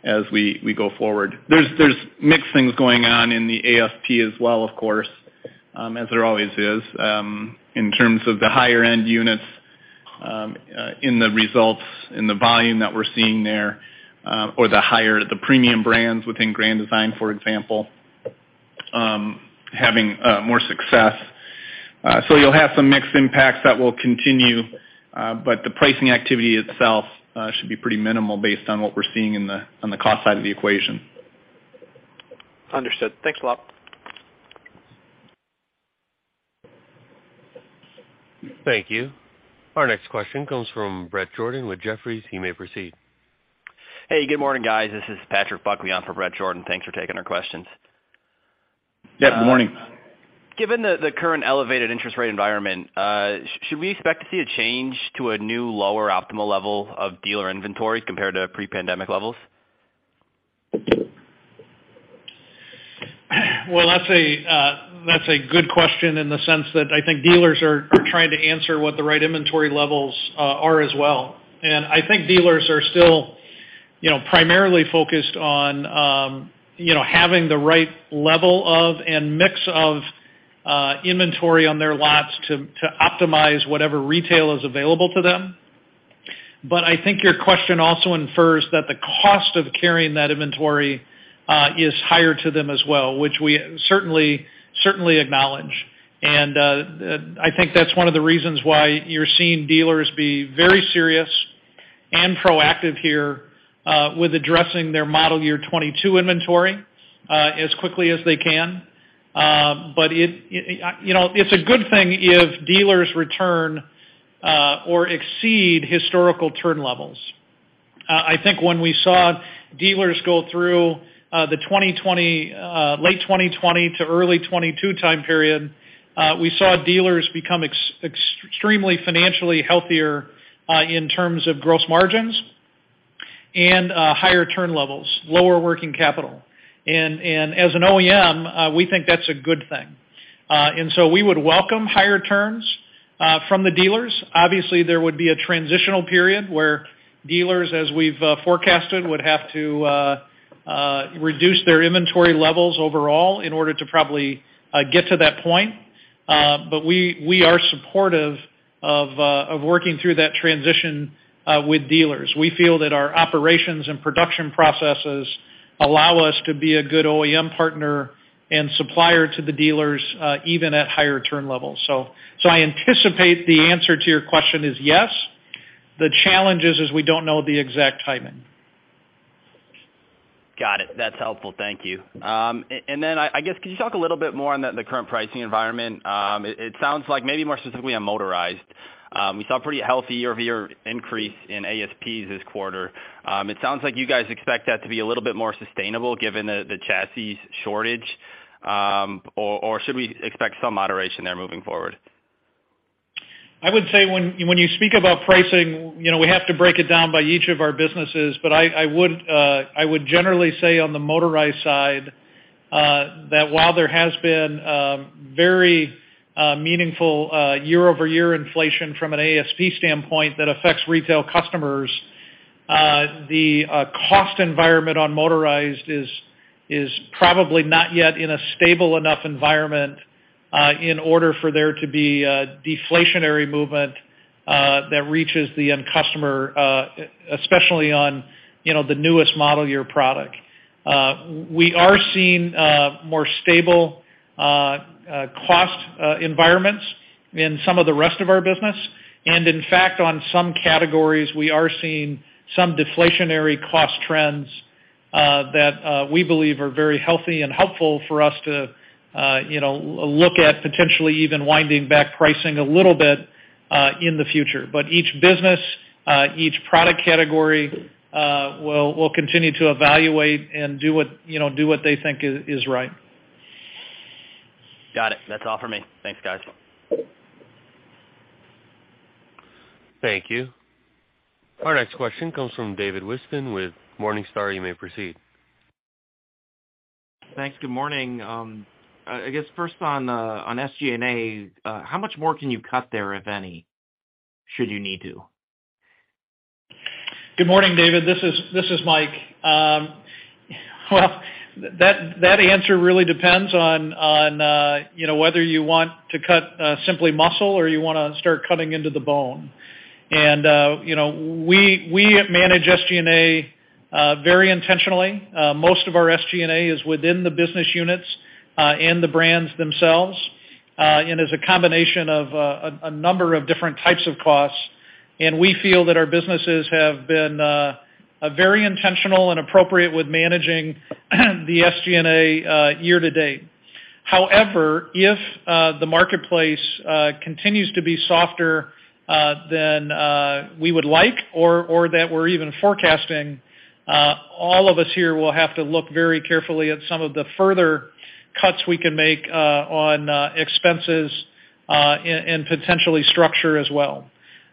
as we go forward. There's mix things going on in the ASP as well, of course, as there always is, in terms of the higher end units, in the results, in the volume that we're seeing there, or the higher, the premium brands within Grand Design, for example, having more success. You'll have some mixed impacts that will continue, but the pricing activity itself, should be pretty minimal based on what we're seeing on the cost side of the equation. Understood. Thanks a lot. Thank you. Our next question comes from Bret Jordan with Jefferies. You may proceed. Hey, good morning, guys. This is Patrick Buckley for Bret Jordan. Thanks for taking our questions. Yeah, good morning. Given the current elevated interest rate environment, should we expect to see a change to a new, lower optimal level of dealer inventory compared to pre-pandemic levels? Well, that's a, that's a good question in the sense that I think dealers are trying to answer what the right inventory levels are as well. I think dealers are still, you know, primarily focused on, you know, having the right level of and mix of inventory on their lots to optimize whatever retail is available to them. I think your question also infers that the cost of carrying that inventory is higher to them as well, which we certainly acknowledge. I think that's one of the reasons why you're seeing dealers be very serious and proactive here with addressing their model year 2022 inventory as quickly as they can. It, you know, it's a good thing if dealers return or exceed historical turn levels. I think when we saw dealers go through late 2020 to early 2022 time period, we saw dealers become extremely financially healthier, in terms of gross margins and higher turn levels, lower working capital. As an OEM, we think that's a good thing. So we would welcome higher turns from the dealers. Obviously, there would be a transitional period where dealers, as we've forecasted would have to reduce their inventory levels overall in order to probably get to that point. We are supportive of working through that transition with dealers. We feel that our operations and production processes allow us to be a good OEM partner and supplier to the dealers, even at higher turn levels. I anticipate the answer to your question is yes. The challenge is we don't know the exact timing. Got it. That's helpful. Thank you. Then I guess could you talk a little bit more on the current pricing environment? It sounds like maybe more specifically on motorized. We saw a pretty healthy year-over-year increase in ASPs this quarter. It sounds like you guys expect that to be a little bit more sustainable given the chassis shortage, or should we expect some moderation there moving forward? I would say when you speak about pricing, you know, we have to break it down by each of our businesses. I would generally say on the motorized side that while there has been very meaningful year-over-year inflation from an ASP standpoint that affects retail customers, the cost environment on motorized is probably not yet in a stable enough environment in order for there to be a deflationary movement that reaches the end customer, especially on, you know, the newest model year product. We are seeing more stable cost environments in some of the rest of our business. In fact, on some categories, we are seeing some deflationary cost trends, that we believe are very healthy and helpful for us to, you know, look at potentially even winding back pricing a little bit, in the future. Each business, each product category, will continue to evaluate and do what, you know, do what they think is right. Got it. That's all for me. Thanks, guys. Thank you. Our next question comes from David Whiston with Morningstar. You may proceed. Thanks. Good morning. I guess first on SG&A, how much more can you cut there, if any, should you need to? Good morning, David. This is Mike. Well, that answer really depends on, you know, whether you want to cut simply muscle or you wanna start cutting into the bone. You know, we manage SG&A very intentionally. Most of our SG&A is within the business units and the brands themselves and is a combination of a number of different types of costs. We feel that our businesses have been very intentional and appropriate with managing the SG&A year to date. If, the marketplace, continues to be softer, than, we would like or that we're even forecasting, all of us here will have to look very carefully at some of the further cuts we can make, on, expenses, and potentially structure as well.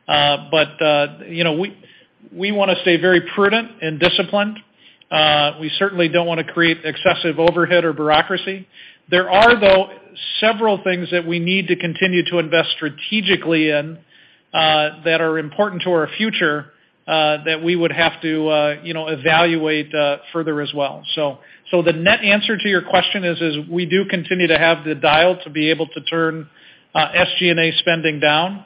You know, we wanna stay very prudent and disciplined. We certainly don't wanna create excessive overhead or bureaucracy. There are, though, several things that we need to continue to invest strategically in, that are important to our future, that we would have to, you know, evaluate, further as well. The net answer to your question is, we do continue to have the dial to be able to turn, SG&A spending down.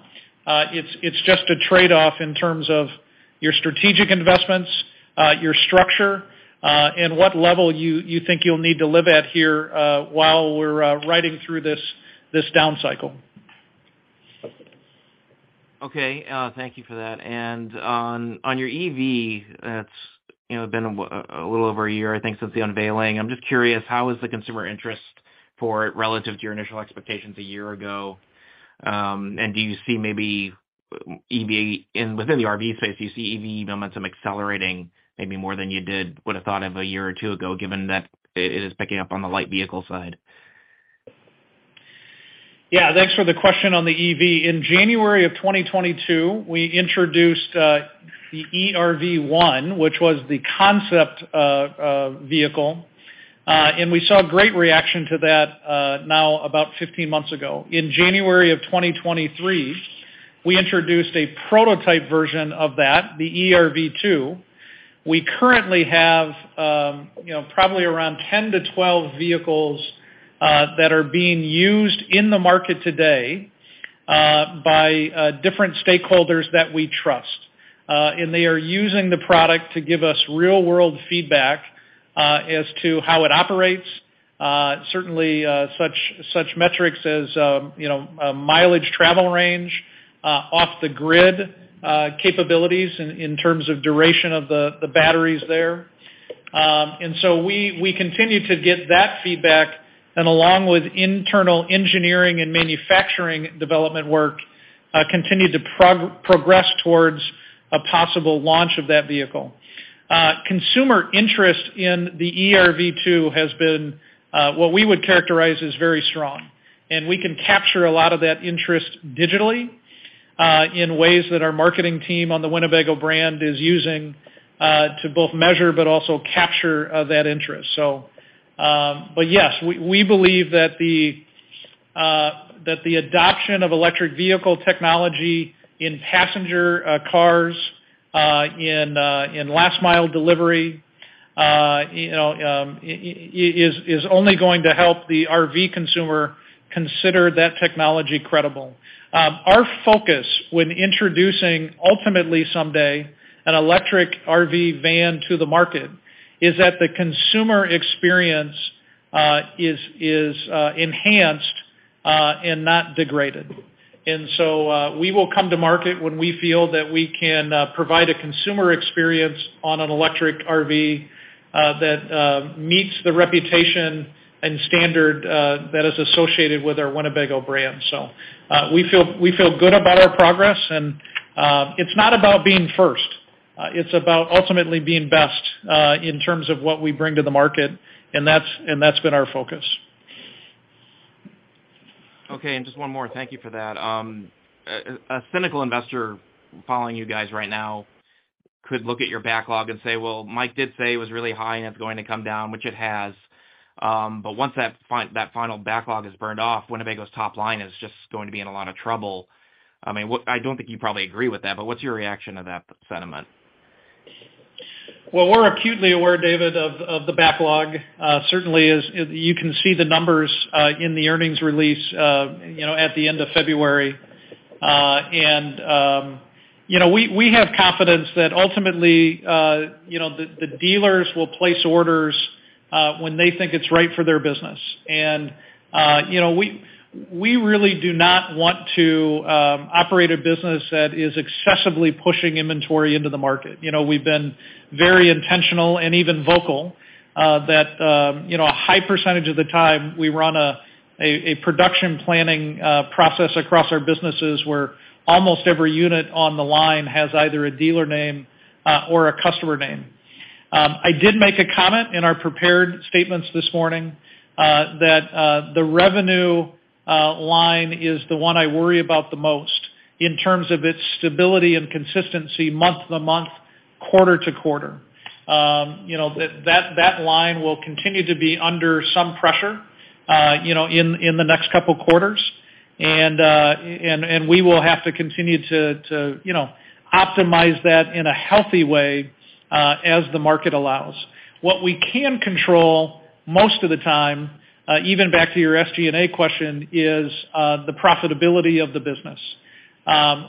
It's just a trade-off in terms of your strategic investments, your structure, and what level you think you'll need to live at here, while we're riding through this down cycle. Okay, thank you for that. On your EV, it's, you know, been a little over a year, I think, since the unveiling. I'm just curious, how is the consumer interest for it relative to your initial expectations a year ago? Do you see maybe within the RV space, do you see EV momentum accelerating maybe more than you did would have thought of a year or two ago, given that it is picking up on the light vehicle side? Yeah. Thanks for the question on the EV. In January of 2022, we introduced the eRV1, which was the concept vehicle, and we saw great reaction to that now about 15 months ago. In January of 2023, we introduced a prototype version of that, the eRV2. We currently have, you know, probably around 10-12 vehicles that are being used in the market today by different stakeholders that we trust. They are using the product to give us real-world feedback as to how it operates. Certainly, such metrics as, you know, mileage travel range, off the grid capabilities in terms of duration of the batteries there. We, we continue to get that feedback, and along with internal engineering and manufacturing development work, continue to progress towards a possible launch of that vehicle. Consumer interest in the eRV2 has been what we would characterize as very strong, and we can capture a lot of that interest digitally, in ways that our marketing team on the Winnebago brand is using to both measure but also capture that interest. Yes, we believe that the adoption of electric vehicle technology in passenger cars, in last mile delivery, you know, is only going to help the RV consumer consider that technology credible. Our focus when introducing ultimately someday an electric RV van to the market is that the consumer experience is enhanced and not degraded. We will come to market when we feel that we can provide a consumer experience on an electric RV that meets the reputation and standard that is associated with our Winnebago brand. We feel good about our progress. It's not about being first. It's about ultimately being best in terms of what we bring to the market, and that's been our focus. Okay. Just one more. Thank you for that. A cynical investor following you guys right now could look at your backlog and say, "Well, Mike did say it was really high, and it's going to come down," which it has. Once that final backlog is burned off, Winnebago's top line is just going to be in a lot of trouble. I mean, I don't think you probably agree with that, but what's your reaction to that sentiment? Well, we're acutely aware, David, of the backlog. Certainly is, you can see the numbers in the earnings release, you know, at the end of February. We have confidence that ultimately, you know, the dealers will place orders when they think it's right for their business. We really do not want to operate a business that is excessively pushing inventory into the market. You know, we've been very intentional and even vocal that, you know, a high percentage of the time we run a production planning process across our businesses where almost every unit on the line has either a dealer name or a customer name. I did make a comment in our prepared statements this morning that the revenue line is the one I worry about the most in terms of its stability and consistency month to month, quarter to quarter. You know, that line will continue to be under some pressure, you know, in the next couple quarters. We will have to continue to, you know, optimize that in a healthy way as the market allows. What we can control most of the time, even back to your SG&A question, is the profitability of the business.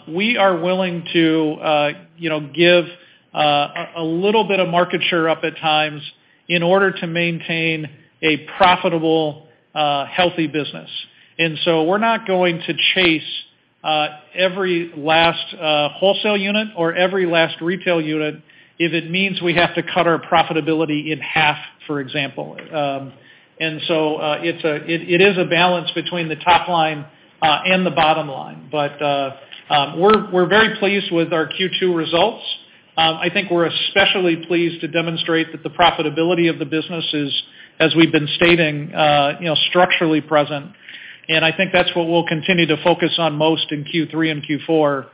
We are willing to, you know, give a little bit of market share up at times in order to maintain a profitable, healthy business. We're not going to chase every last wholesale unit or every last retail unit if it means we have to cut our profitability in half, for example. It is a balance between the top line and the bottom line. We're very pleased with our Q2 results. I think we're especially pleased to demonstrate that the profitability of the business is, as we've been stating, you know, structurally present. I think that's what we'll continue to focus on most in Q3 and Q4,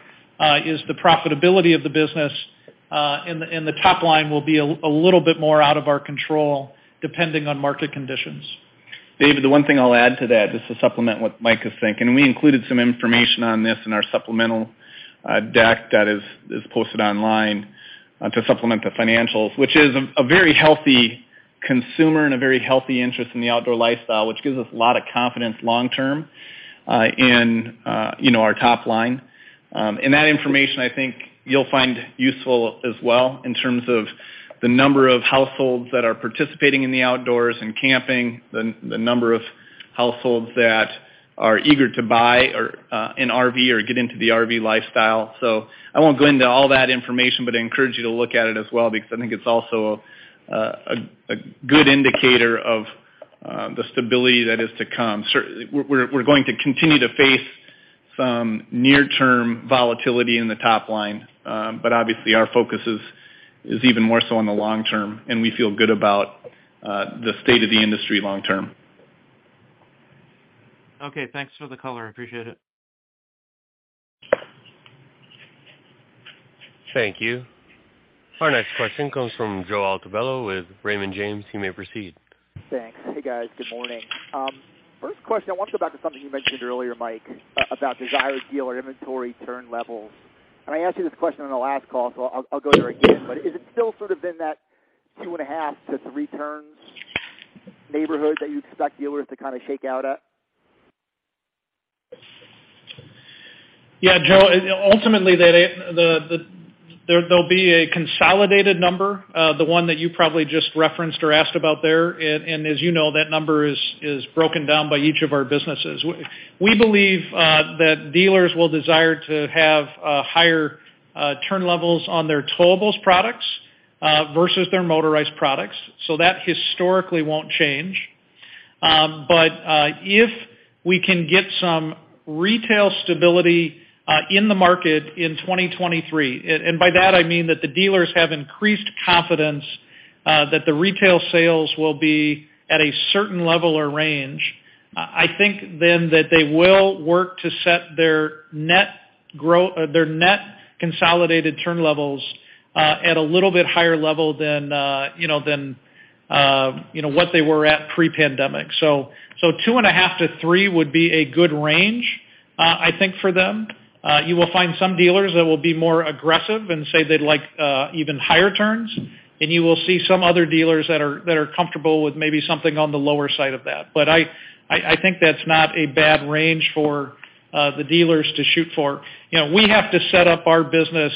is the profitability of the business. The top line will be a little bit more out of our control, depending on market conditions. David, the one thing I'll add to that, just to supplement what Mike is saying, and we included some information on this in our supplemental deck that is posted online to supplement the financials, which is a very healthy consumer and a very healthy interest in the outdoor lifestyle, which gives us a lot of confidence long term, you know, our top line. That information I think you'll find useful as well in terms of the number of households that are participating in the outdoors and camping, the number of households that are eager to buy or an RV or get into the RV lifestyle. I won't go into all that information, but I encourage you to look at it as well because I think it's also a good indicator of the stability that is to come. We're going to continue to face some near-term volatility in the top line. Obviously, our focus is even more so on the long term, and we feel good about the state of the industry long term. Okay. Thanks for the color. I appreciate it. Thank you. Our next question comes from Joe Altobello with Raymond James. You may proceed. Thanks. Hey, guys. Good morning. First question, I want to go back to something you mentioned earlier, Mike, about desired dealer inventory turn levels. I asked you this question on the last call, so I'll go there again. Is it still sort of in that 2.5-3 turns neighborhood that you'd expect dealers to kind of shake out at? Yeah, Joe, ultimately, there'll be a consolidated number, the one that you probably just referenced or asked about there. As you know, that number is broken down by each of our businesses. We believe that dealers will desire to have a higher turn levels on their towables products versus their motorized products. That historically won't change. If we can get some retail stability in the market in 2023, and by that, I mean that the dealers have increased confidence that the retail sales will be at a certain level or range, I think that they will work to set their net consolidated turn levels at a little bit higher level than, you know, than, you know, what they were at pre-pandemic. 2.5-3 would be a good range, I think for them. You will find some dealers that will be more aggressive and say they'd like even higher turns, and you will see some other dealers that are comfortable with maybe something on the lower side of that. I think that's not a bad range for the dealers to shoot for. You know, we have to set up our business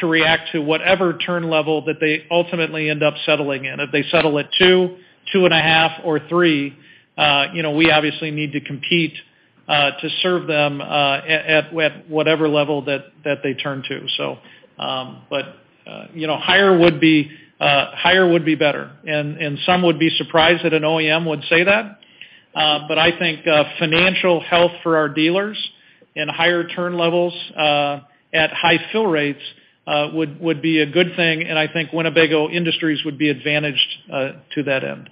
to react to whatever turn level that they ultimately end up settling in. If they settle at 2.5 or 3, you know, we obviously need to compete to serve them at whatever level that they turn to. You know, higher would be better. Some would be surprised that an OEM would say that, but I think financial health for our dealers and higher turn levels at high fill rates would be a good thing, and I think Winnebago Industries would be advantaged to that end.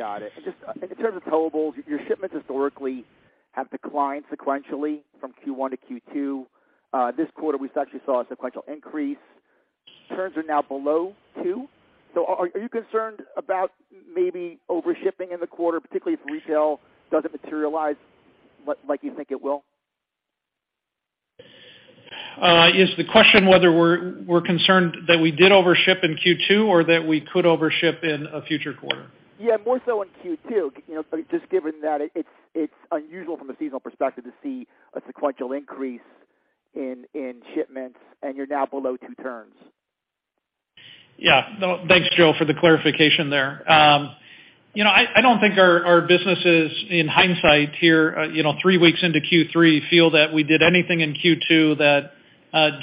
Got it. Just in terms of towables, your shipments historically have declined sequentially from Q1 to Q2. This quarter, we actually saw a sequential increase. Turns are now below two. Are you concerned about maybe overshipping in the quarter, particularly if retail doesn't materialize like you think it will? Is the question whether we're concerned that we did overship in Q2 or that we could overship in a future quarter? Yeah, more so in Q2, you know, just given that it's unusual from a seasonal perspective to see a sequential increase in shipments and you're now below two turns. Yeah. No, thanks, Joe, for the clarification there. you know, I don't think our businesses in hindsight here, you know, three weeks into Q3 feel that we did anything in Q2 that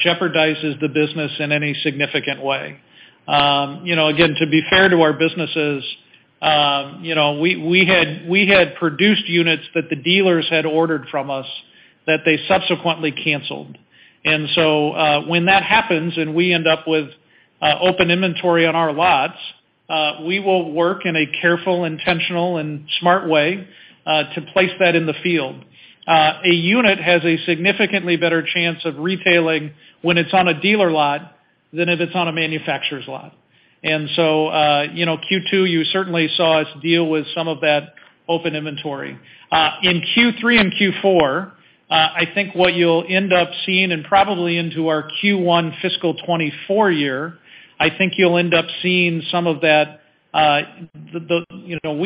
jeopardizes the business in any significant way. you know, again, to be fair to our businesses, you know, we had produced units that the dealers had ordered from us that they subsequently canceled. When that happens and we end up with open inventory on our lots, we will work in a careful, intentional and smart way to place that in the field. A unit has a significantly better chance of retailing when it's on a dealer lot than if it's on a manufacturer's lot. you know, Q2, you certainly saw us deal with some of that open inventory. In Q3 and Q4, I think what you'll end up seeing and probably into our Q1 fiscal 2024 year, I think you'll end up seeing some of that, you know,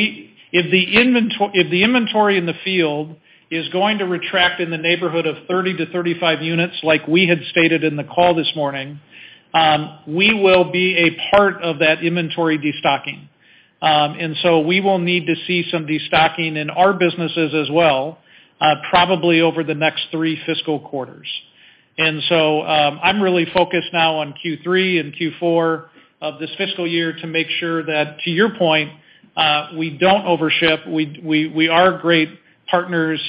if the inventory in the field is going to retract in the neighborhood of 30-35 units like we had stated in the call this morning, we will be a part of that inventory destocking. We will need to see some destocking in our businesses as well, probably over the next 3 fiscal quarters. I'm really focused now on Q3 and Q4 of this fiscal year to make sure that, to your point, we don't overship, we are great partners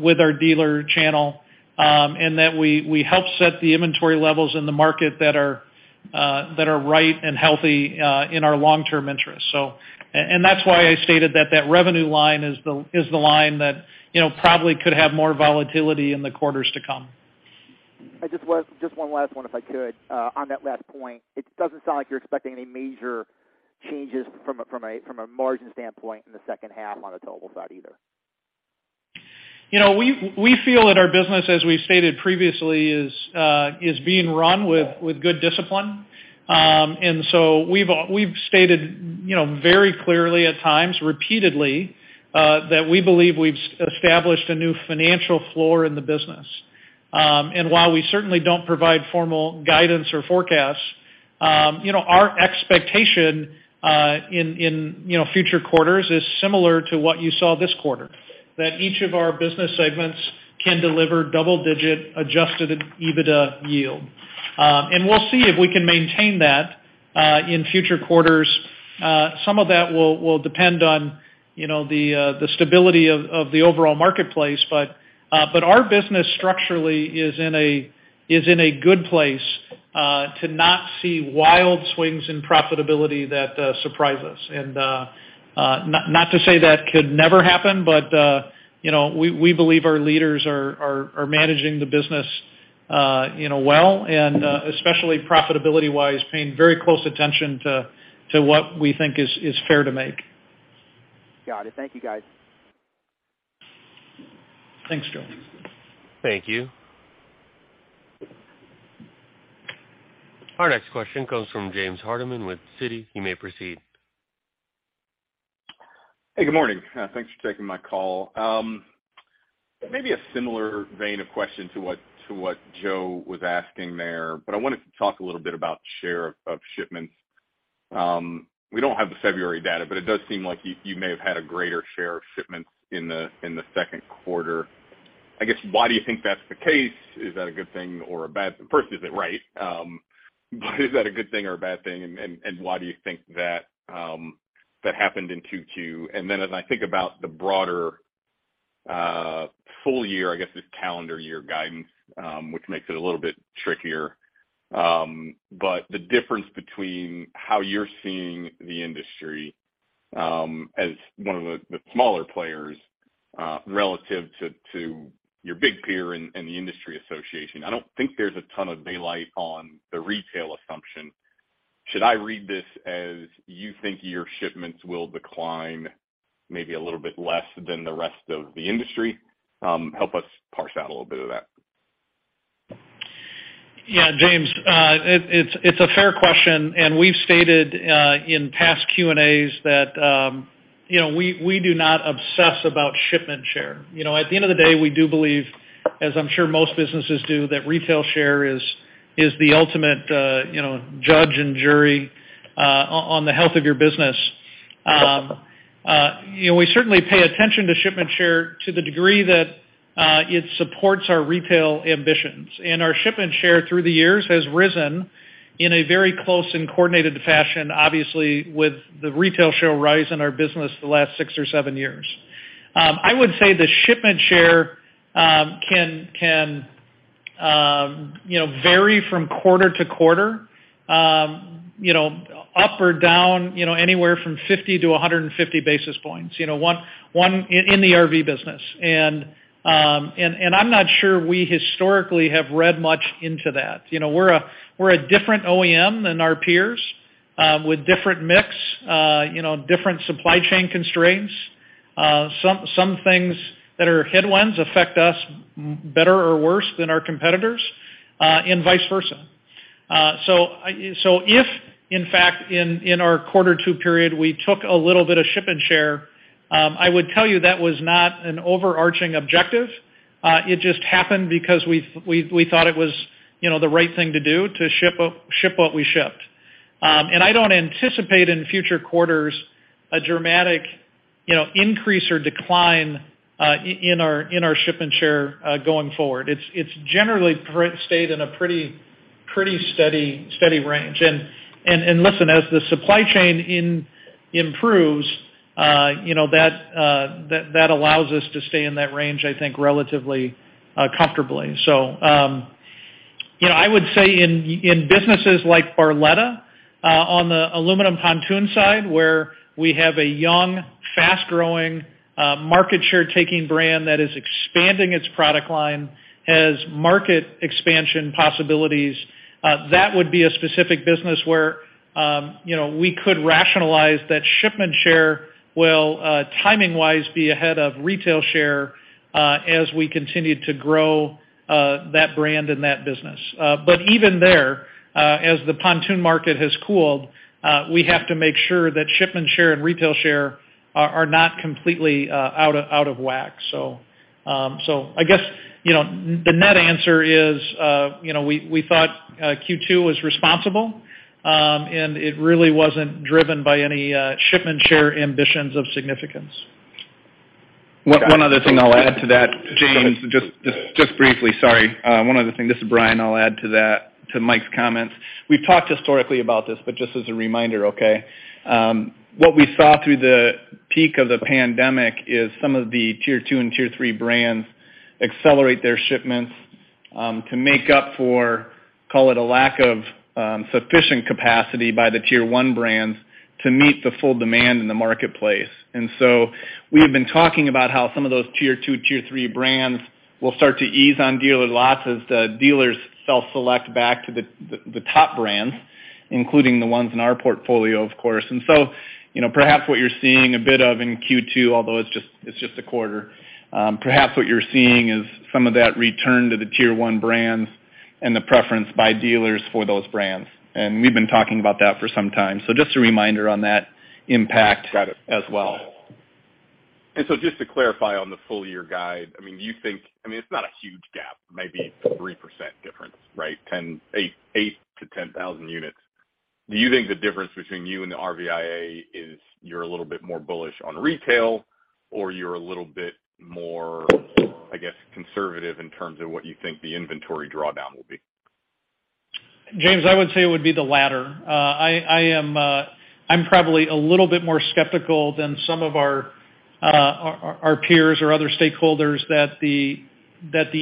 with our dealer channel, and that we help set the inventory levels in the market that are right and healthy in our long-term interest. And that's why I stated that that revenue line is the line that, you know, probably could have more volatility in the quarters to come. Just one last one, if I could. On that last point, it doesn't sound like you're expecting any major changes from a margin standpoint in the second half on the Towable side either. You know, we feel that our business, as we've stated previously, is being run with good discipline. We've stated, you know, very clearly at times, repeatedly, that we believe we've established a new financial floor in the business. While we certainly don't provide formal guidance or forecasts, you know, our expectation in, you know, future quarters is similar to what you saw this quarter, that each of our business segments can deliver double-digit adjusted EBITDA yield. We'll see if we can maintain that in future quarters. Some of that will depend on, you know, the stability of the overall marketplace. Our business structurally is in a good place to not see wild swings in profitability that surprise us. Not to say that could never happen, but, you know, we believe our leaders are managing the business, you know, well, and especially profitability-wise, paying very close attention to what we think is fair to make. Got it. Thank you, guys. Thanks, Joe. Thank you. Our next question comes from James Hardiman with Citi. You may proceed. Hey, good morning. Thanks for taking my call. Maybe a similar vein of question to what Joe was asking there, but I wanted to talk a little bit about share of shipments. We don't have the February data, but it does seem like you may have had a greater share of shipments in the second quarter. I guess why do you think that's the case? Is that a good thing or a bad thing? First, is it right? Is that a good thing or a bad thing? Why do you think that happened in Q2? As I think about the broader, full year, I guess, this calendar year guidance, which makes it a little bit trickier, the difference between how you're seeing the industry, as one of the smaller players, relative to your big peer and the industry association, I don't think there's a ton of daylight on the retail assumption. Should I read this as you think your shipments will decline maybe a little bit less than the rest of the industry? Help us parse out a little bit of that. Yeah, James, it's a fair question, and we've stated in past Q&As that, you know, we do not obsess about shipment share. You know, at the end of the day, we do believe, as I'm sure most businesses do, that retail share is the ultimate, you know, judge and jury on the health of your business. You know, we certainly pay attention to shipment share to the degree that it supports our retail ambitions. Our shipment share through the years has risen in a very close and coordinated fashion, obviously, with the retail share rise in our business the last six or seven years. I would say the shipment share, can, you know, vary from quarter to quarter, you know, up or down, you know, anywhere from 50 to 150 basis points, you know, in the RV business. I'm not sure we historically have read much into that. You know, we're a different OEM than our peers, with different mix, you know, different supply chain constraints. Some things that are headwinds affect us better or worse than our competitors, and vice versa. If, in fact, in our Q2 period, we took a little bit of shipment share, I would tell you that was not an overarching objective. It just happened because we thought it was, you know, the right thing to do to ship what we shipped. I don't anticipate in future quarters a dramatic, you know, increase or decline in our shipment share going forward. It's generally stayed in a pretty steady range. Listen, as the supply chain improves, you know, that allows us to stay in that range, I think, relatively comfortably. you know, I would say in businesses like Barletta, on the aluminum pontoon side, where we have a young, fast-growing, market share taking brand that is expanding its product line, has market expansion possibilities, that would be a specific business where, you know, we could rationalize that shipment share will, timing-wise, be ahead of retail share, as we continue to grow, that brand and that business. Even there, as the pontoon market has cooled, we have to make sure that shipment share and retail share are not completely out of whack. I guess, you know, the net answer is, you know, we thought, Q2 was responsible, and it really wasn't driven by any shipment share ambitions of significance. One other thing I'll add to that, James, just briefly. Sorry. One other thing. This is Bryan. I'll add to that, to Michael's comments. We've talked historically about this, but just as a reminder, okay? What we saw through the peak of the pandemic is some of the tier 2 and tier 3 brands accelerate their shipments to make up for, call it a lack of sufficient capacity by the tier 1 brands to meet the full demand in the marketplace. We have been talking about how some of those tier 2, tier 3 brands will start to ease on dealer lots as the dealers self-select back to the top brands, including the ones in our portfolio, of course. You know, perhaps what you're seeing a bit of in Q2, although it's just a quarter, perhaps what you're seeing is some of that return to the tier one brands and the preference by dealers for those brands. We've been talking about that for some time. Just a reminder on that impact as well. Just to clarify on the full year guide, I mean, do you think, I mean, it's not a huge gap, maybe 3% difference, right? 8,000-10,000 units. Do you think the difference between you and the RVIA is you're a little bit more bullish on retail or you're a little bit more, I guess, conservative in terms of what you think the inventory drawdown will be? James, I would say it would be the latter. I am, I'm probably a little bit more skeptical than some of our peers or other stakeholders that the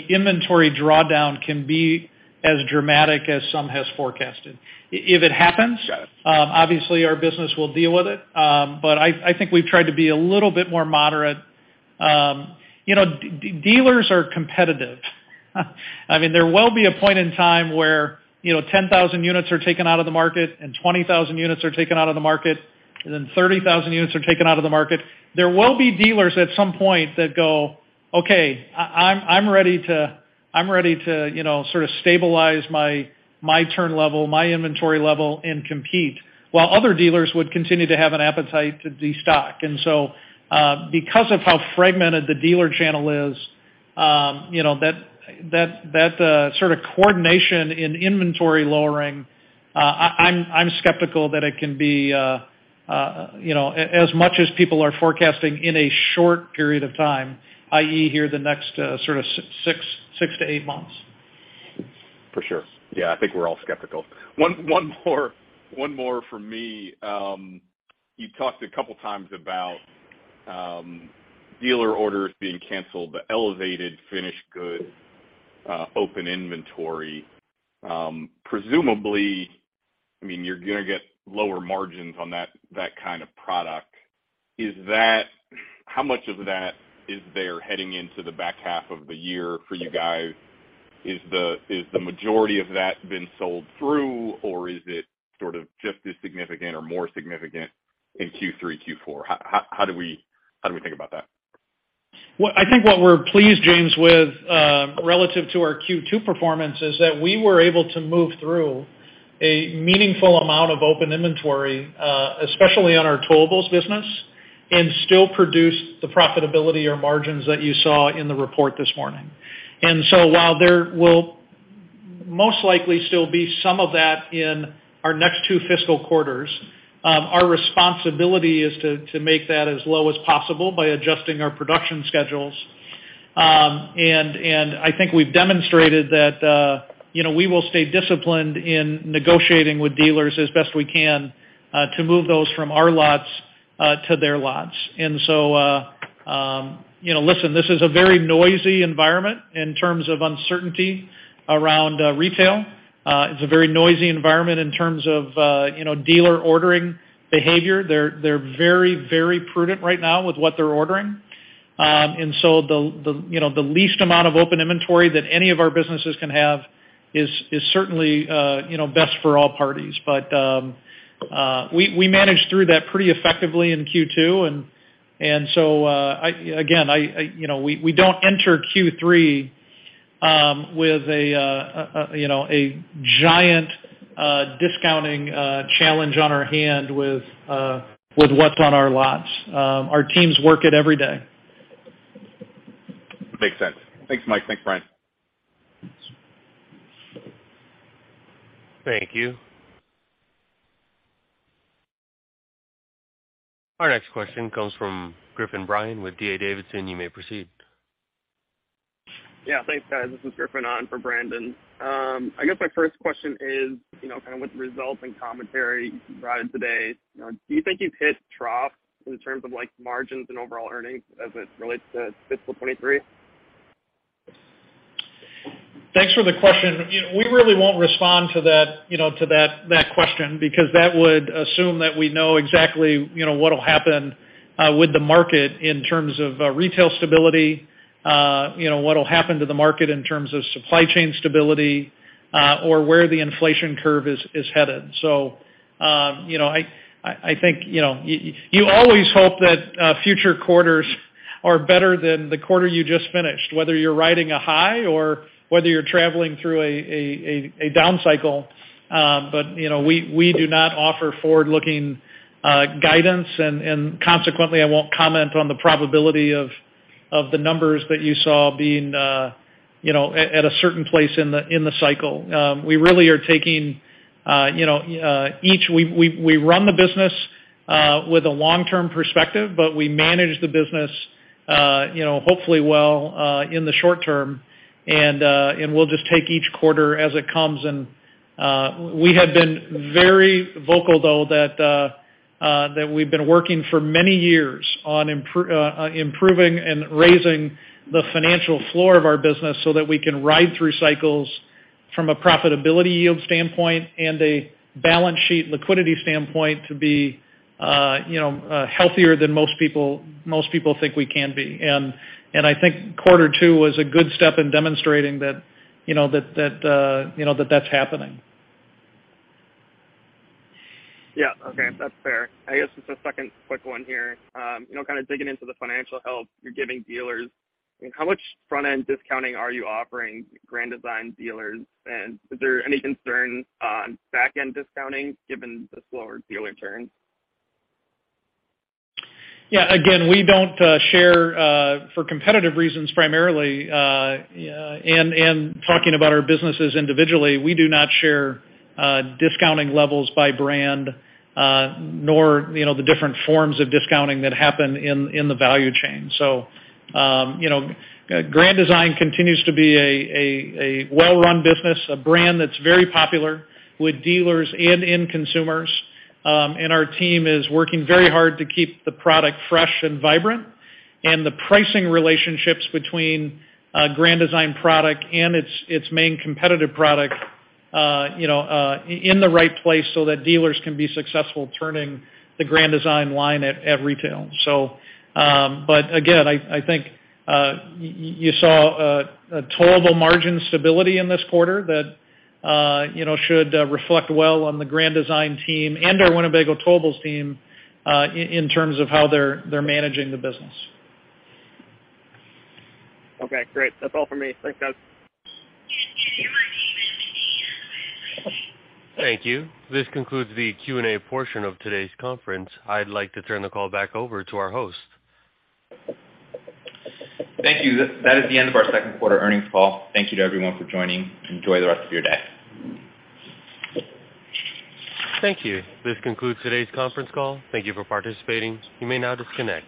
inventory drawdown can be as dramatic as some has forecasted. Got it. Obviously, our business will deal with it. I think we've tried to be a little bit more moderate. you know, dealers are competitive. I mean, there will be a point in time where, you know, 10,000 units are taken out of the market and 20,000 units are taken out of the market, and then 30,000 units are taken out of the market. There will be dealers at some point that go, "Okay, I'm ready to, you know, sort of stabilize my turn level, my inventory level, and compete," while other dealers would continue to have an appetite to de-stock. Because of how fragmented the dealer channel is, you know, that sort of coordination in inventory lowering, I'm skeptical that it can be, you know, as much as people are forecasting in a short period of time, i.e., here the next, sort of 6-8 months. For sure. Yeah, I think we're all skeptical. One more from me. You talked a couple times about dealer orders being canceled, the elevated finished goods, open inventory. Presumably, I mean, you're gonna get lower margins on that kind of product. How much of that is there heading into the back half of the year for you guys? Is the majority of that been sold through, or is it sort of just as significant or more significant in Q3, Q4? How do we think about that? Well, I think what we're pleased, James, with, relative to our Q2 performance, is that we were able to move through a meaningful amount of open inventory, especially on our Towables business, and still produce the profitability or margins that you saw in the report this morning. While there will most likely still be some of that in our next two fiscal quarters, our responsibility is to make that as low as possible by adjusting our production schedules. I think we've demonstrated that, you know, we will stay disciplined in negotiating with dealers as best we can, to move those from our lots to their lots. You know, listen, this is a very noisy environment in terms of uncertainty around retail. It's a very noisy environment in terms of, you know, dealer ordering behavior. They're very, very prudent right now with what they're ordering. The, you know, the least amount of open inventory that any of our businesses can have is certainly, you know, best for all parties. We managed through that pretty effectively in Q2. Again, I, you know, we don't enter Q3 with a, you know, a giant discounting challenge on our hand with what's on our lots. Our teams work it every day. Makes sense. Thanks, Mike. Thanks, Bryan. Thank you. Our next question comes from Griffin Bryan with D.A. Davidson. You may proceed. Yeah, thanks, guys. This is Griffin on for Brandon. I guess my first question is, you know, kind of with the results and commentary you provided today, do you think you've hit trough in terms of like margins and overall earnings as it relates to fiscal 2023? Thanks for the question. You know, we really won't respond to that, you know, to that question because that would assume that we know exactly, you know, what'll happen with the market in terms of retail stability, you know, what'll happen to the market in terms of supply chain stability, or where the inflation curve is headed. You know, I think, you know, you always hope that future quarters are better than the quarter you just finished, whether you're riding a high or whether you're traveling through a down cycle. You know, we do not offer forward-looking guidance and consequently, I won't comment on the probability of the numbers that you saw being, you know, at a certain place in the cycle. We run the business with a long-term perspective, but we manage the business, you know, hopefully well, in the short term. We'll just take each quarter as it comes. We have been very vocal though that we've been working for many years on improving and raising the financial floor of our business so that we can ride through cycles from a profitability yield standpoint and a balance sheet liquidity standpoint to be, you know, healthier than most people think we can be. I think quarter two was a good step in demonstrating that, you know, that's happening. Yeah. Okay. That's fair. I guess just a second quick one here. you know, kind of digging into the financial help you're giving dealers. How much front-end discounting are you offering Grand Design dealers, and is there any concern on back-end discounting given the slower dealer turns? Yeah, again, we don't share for competitive reasons primarily, and talking about our businesses individually, we do not share discounting levels by brand, nor, you know, the different forms of discounting that happen in the value chain. You know, Grand Design continues to be a well-run business, a brand that's very popular with dealers and end consumers. Our team is working very hard to keep the product fresh and vibrant. The pricing relationships between a Grand Design product and its main competitive product, you know, in the right place so that dealers can be successful turning the Grand Design line at retail. Again, I think you saw a Towable margin stability in this quarter that, you know, should reflect well on the Grand Design team and our Winnebago Towables team in terms of how they're managing the business. Okay, great. That's all for me. Thanks, guys. Thank you. This concludes the Q&A portion of today's conference. I'd like to turn the call back over to our host. Thank you. That is the end of our second quarter earnings call. Thank you to everyone for joining. Enjoy the rest of your day. Thank you. This concludes today's conference call. Thank you for participating. You may now disconnect.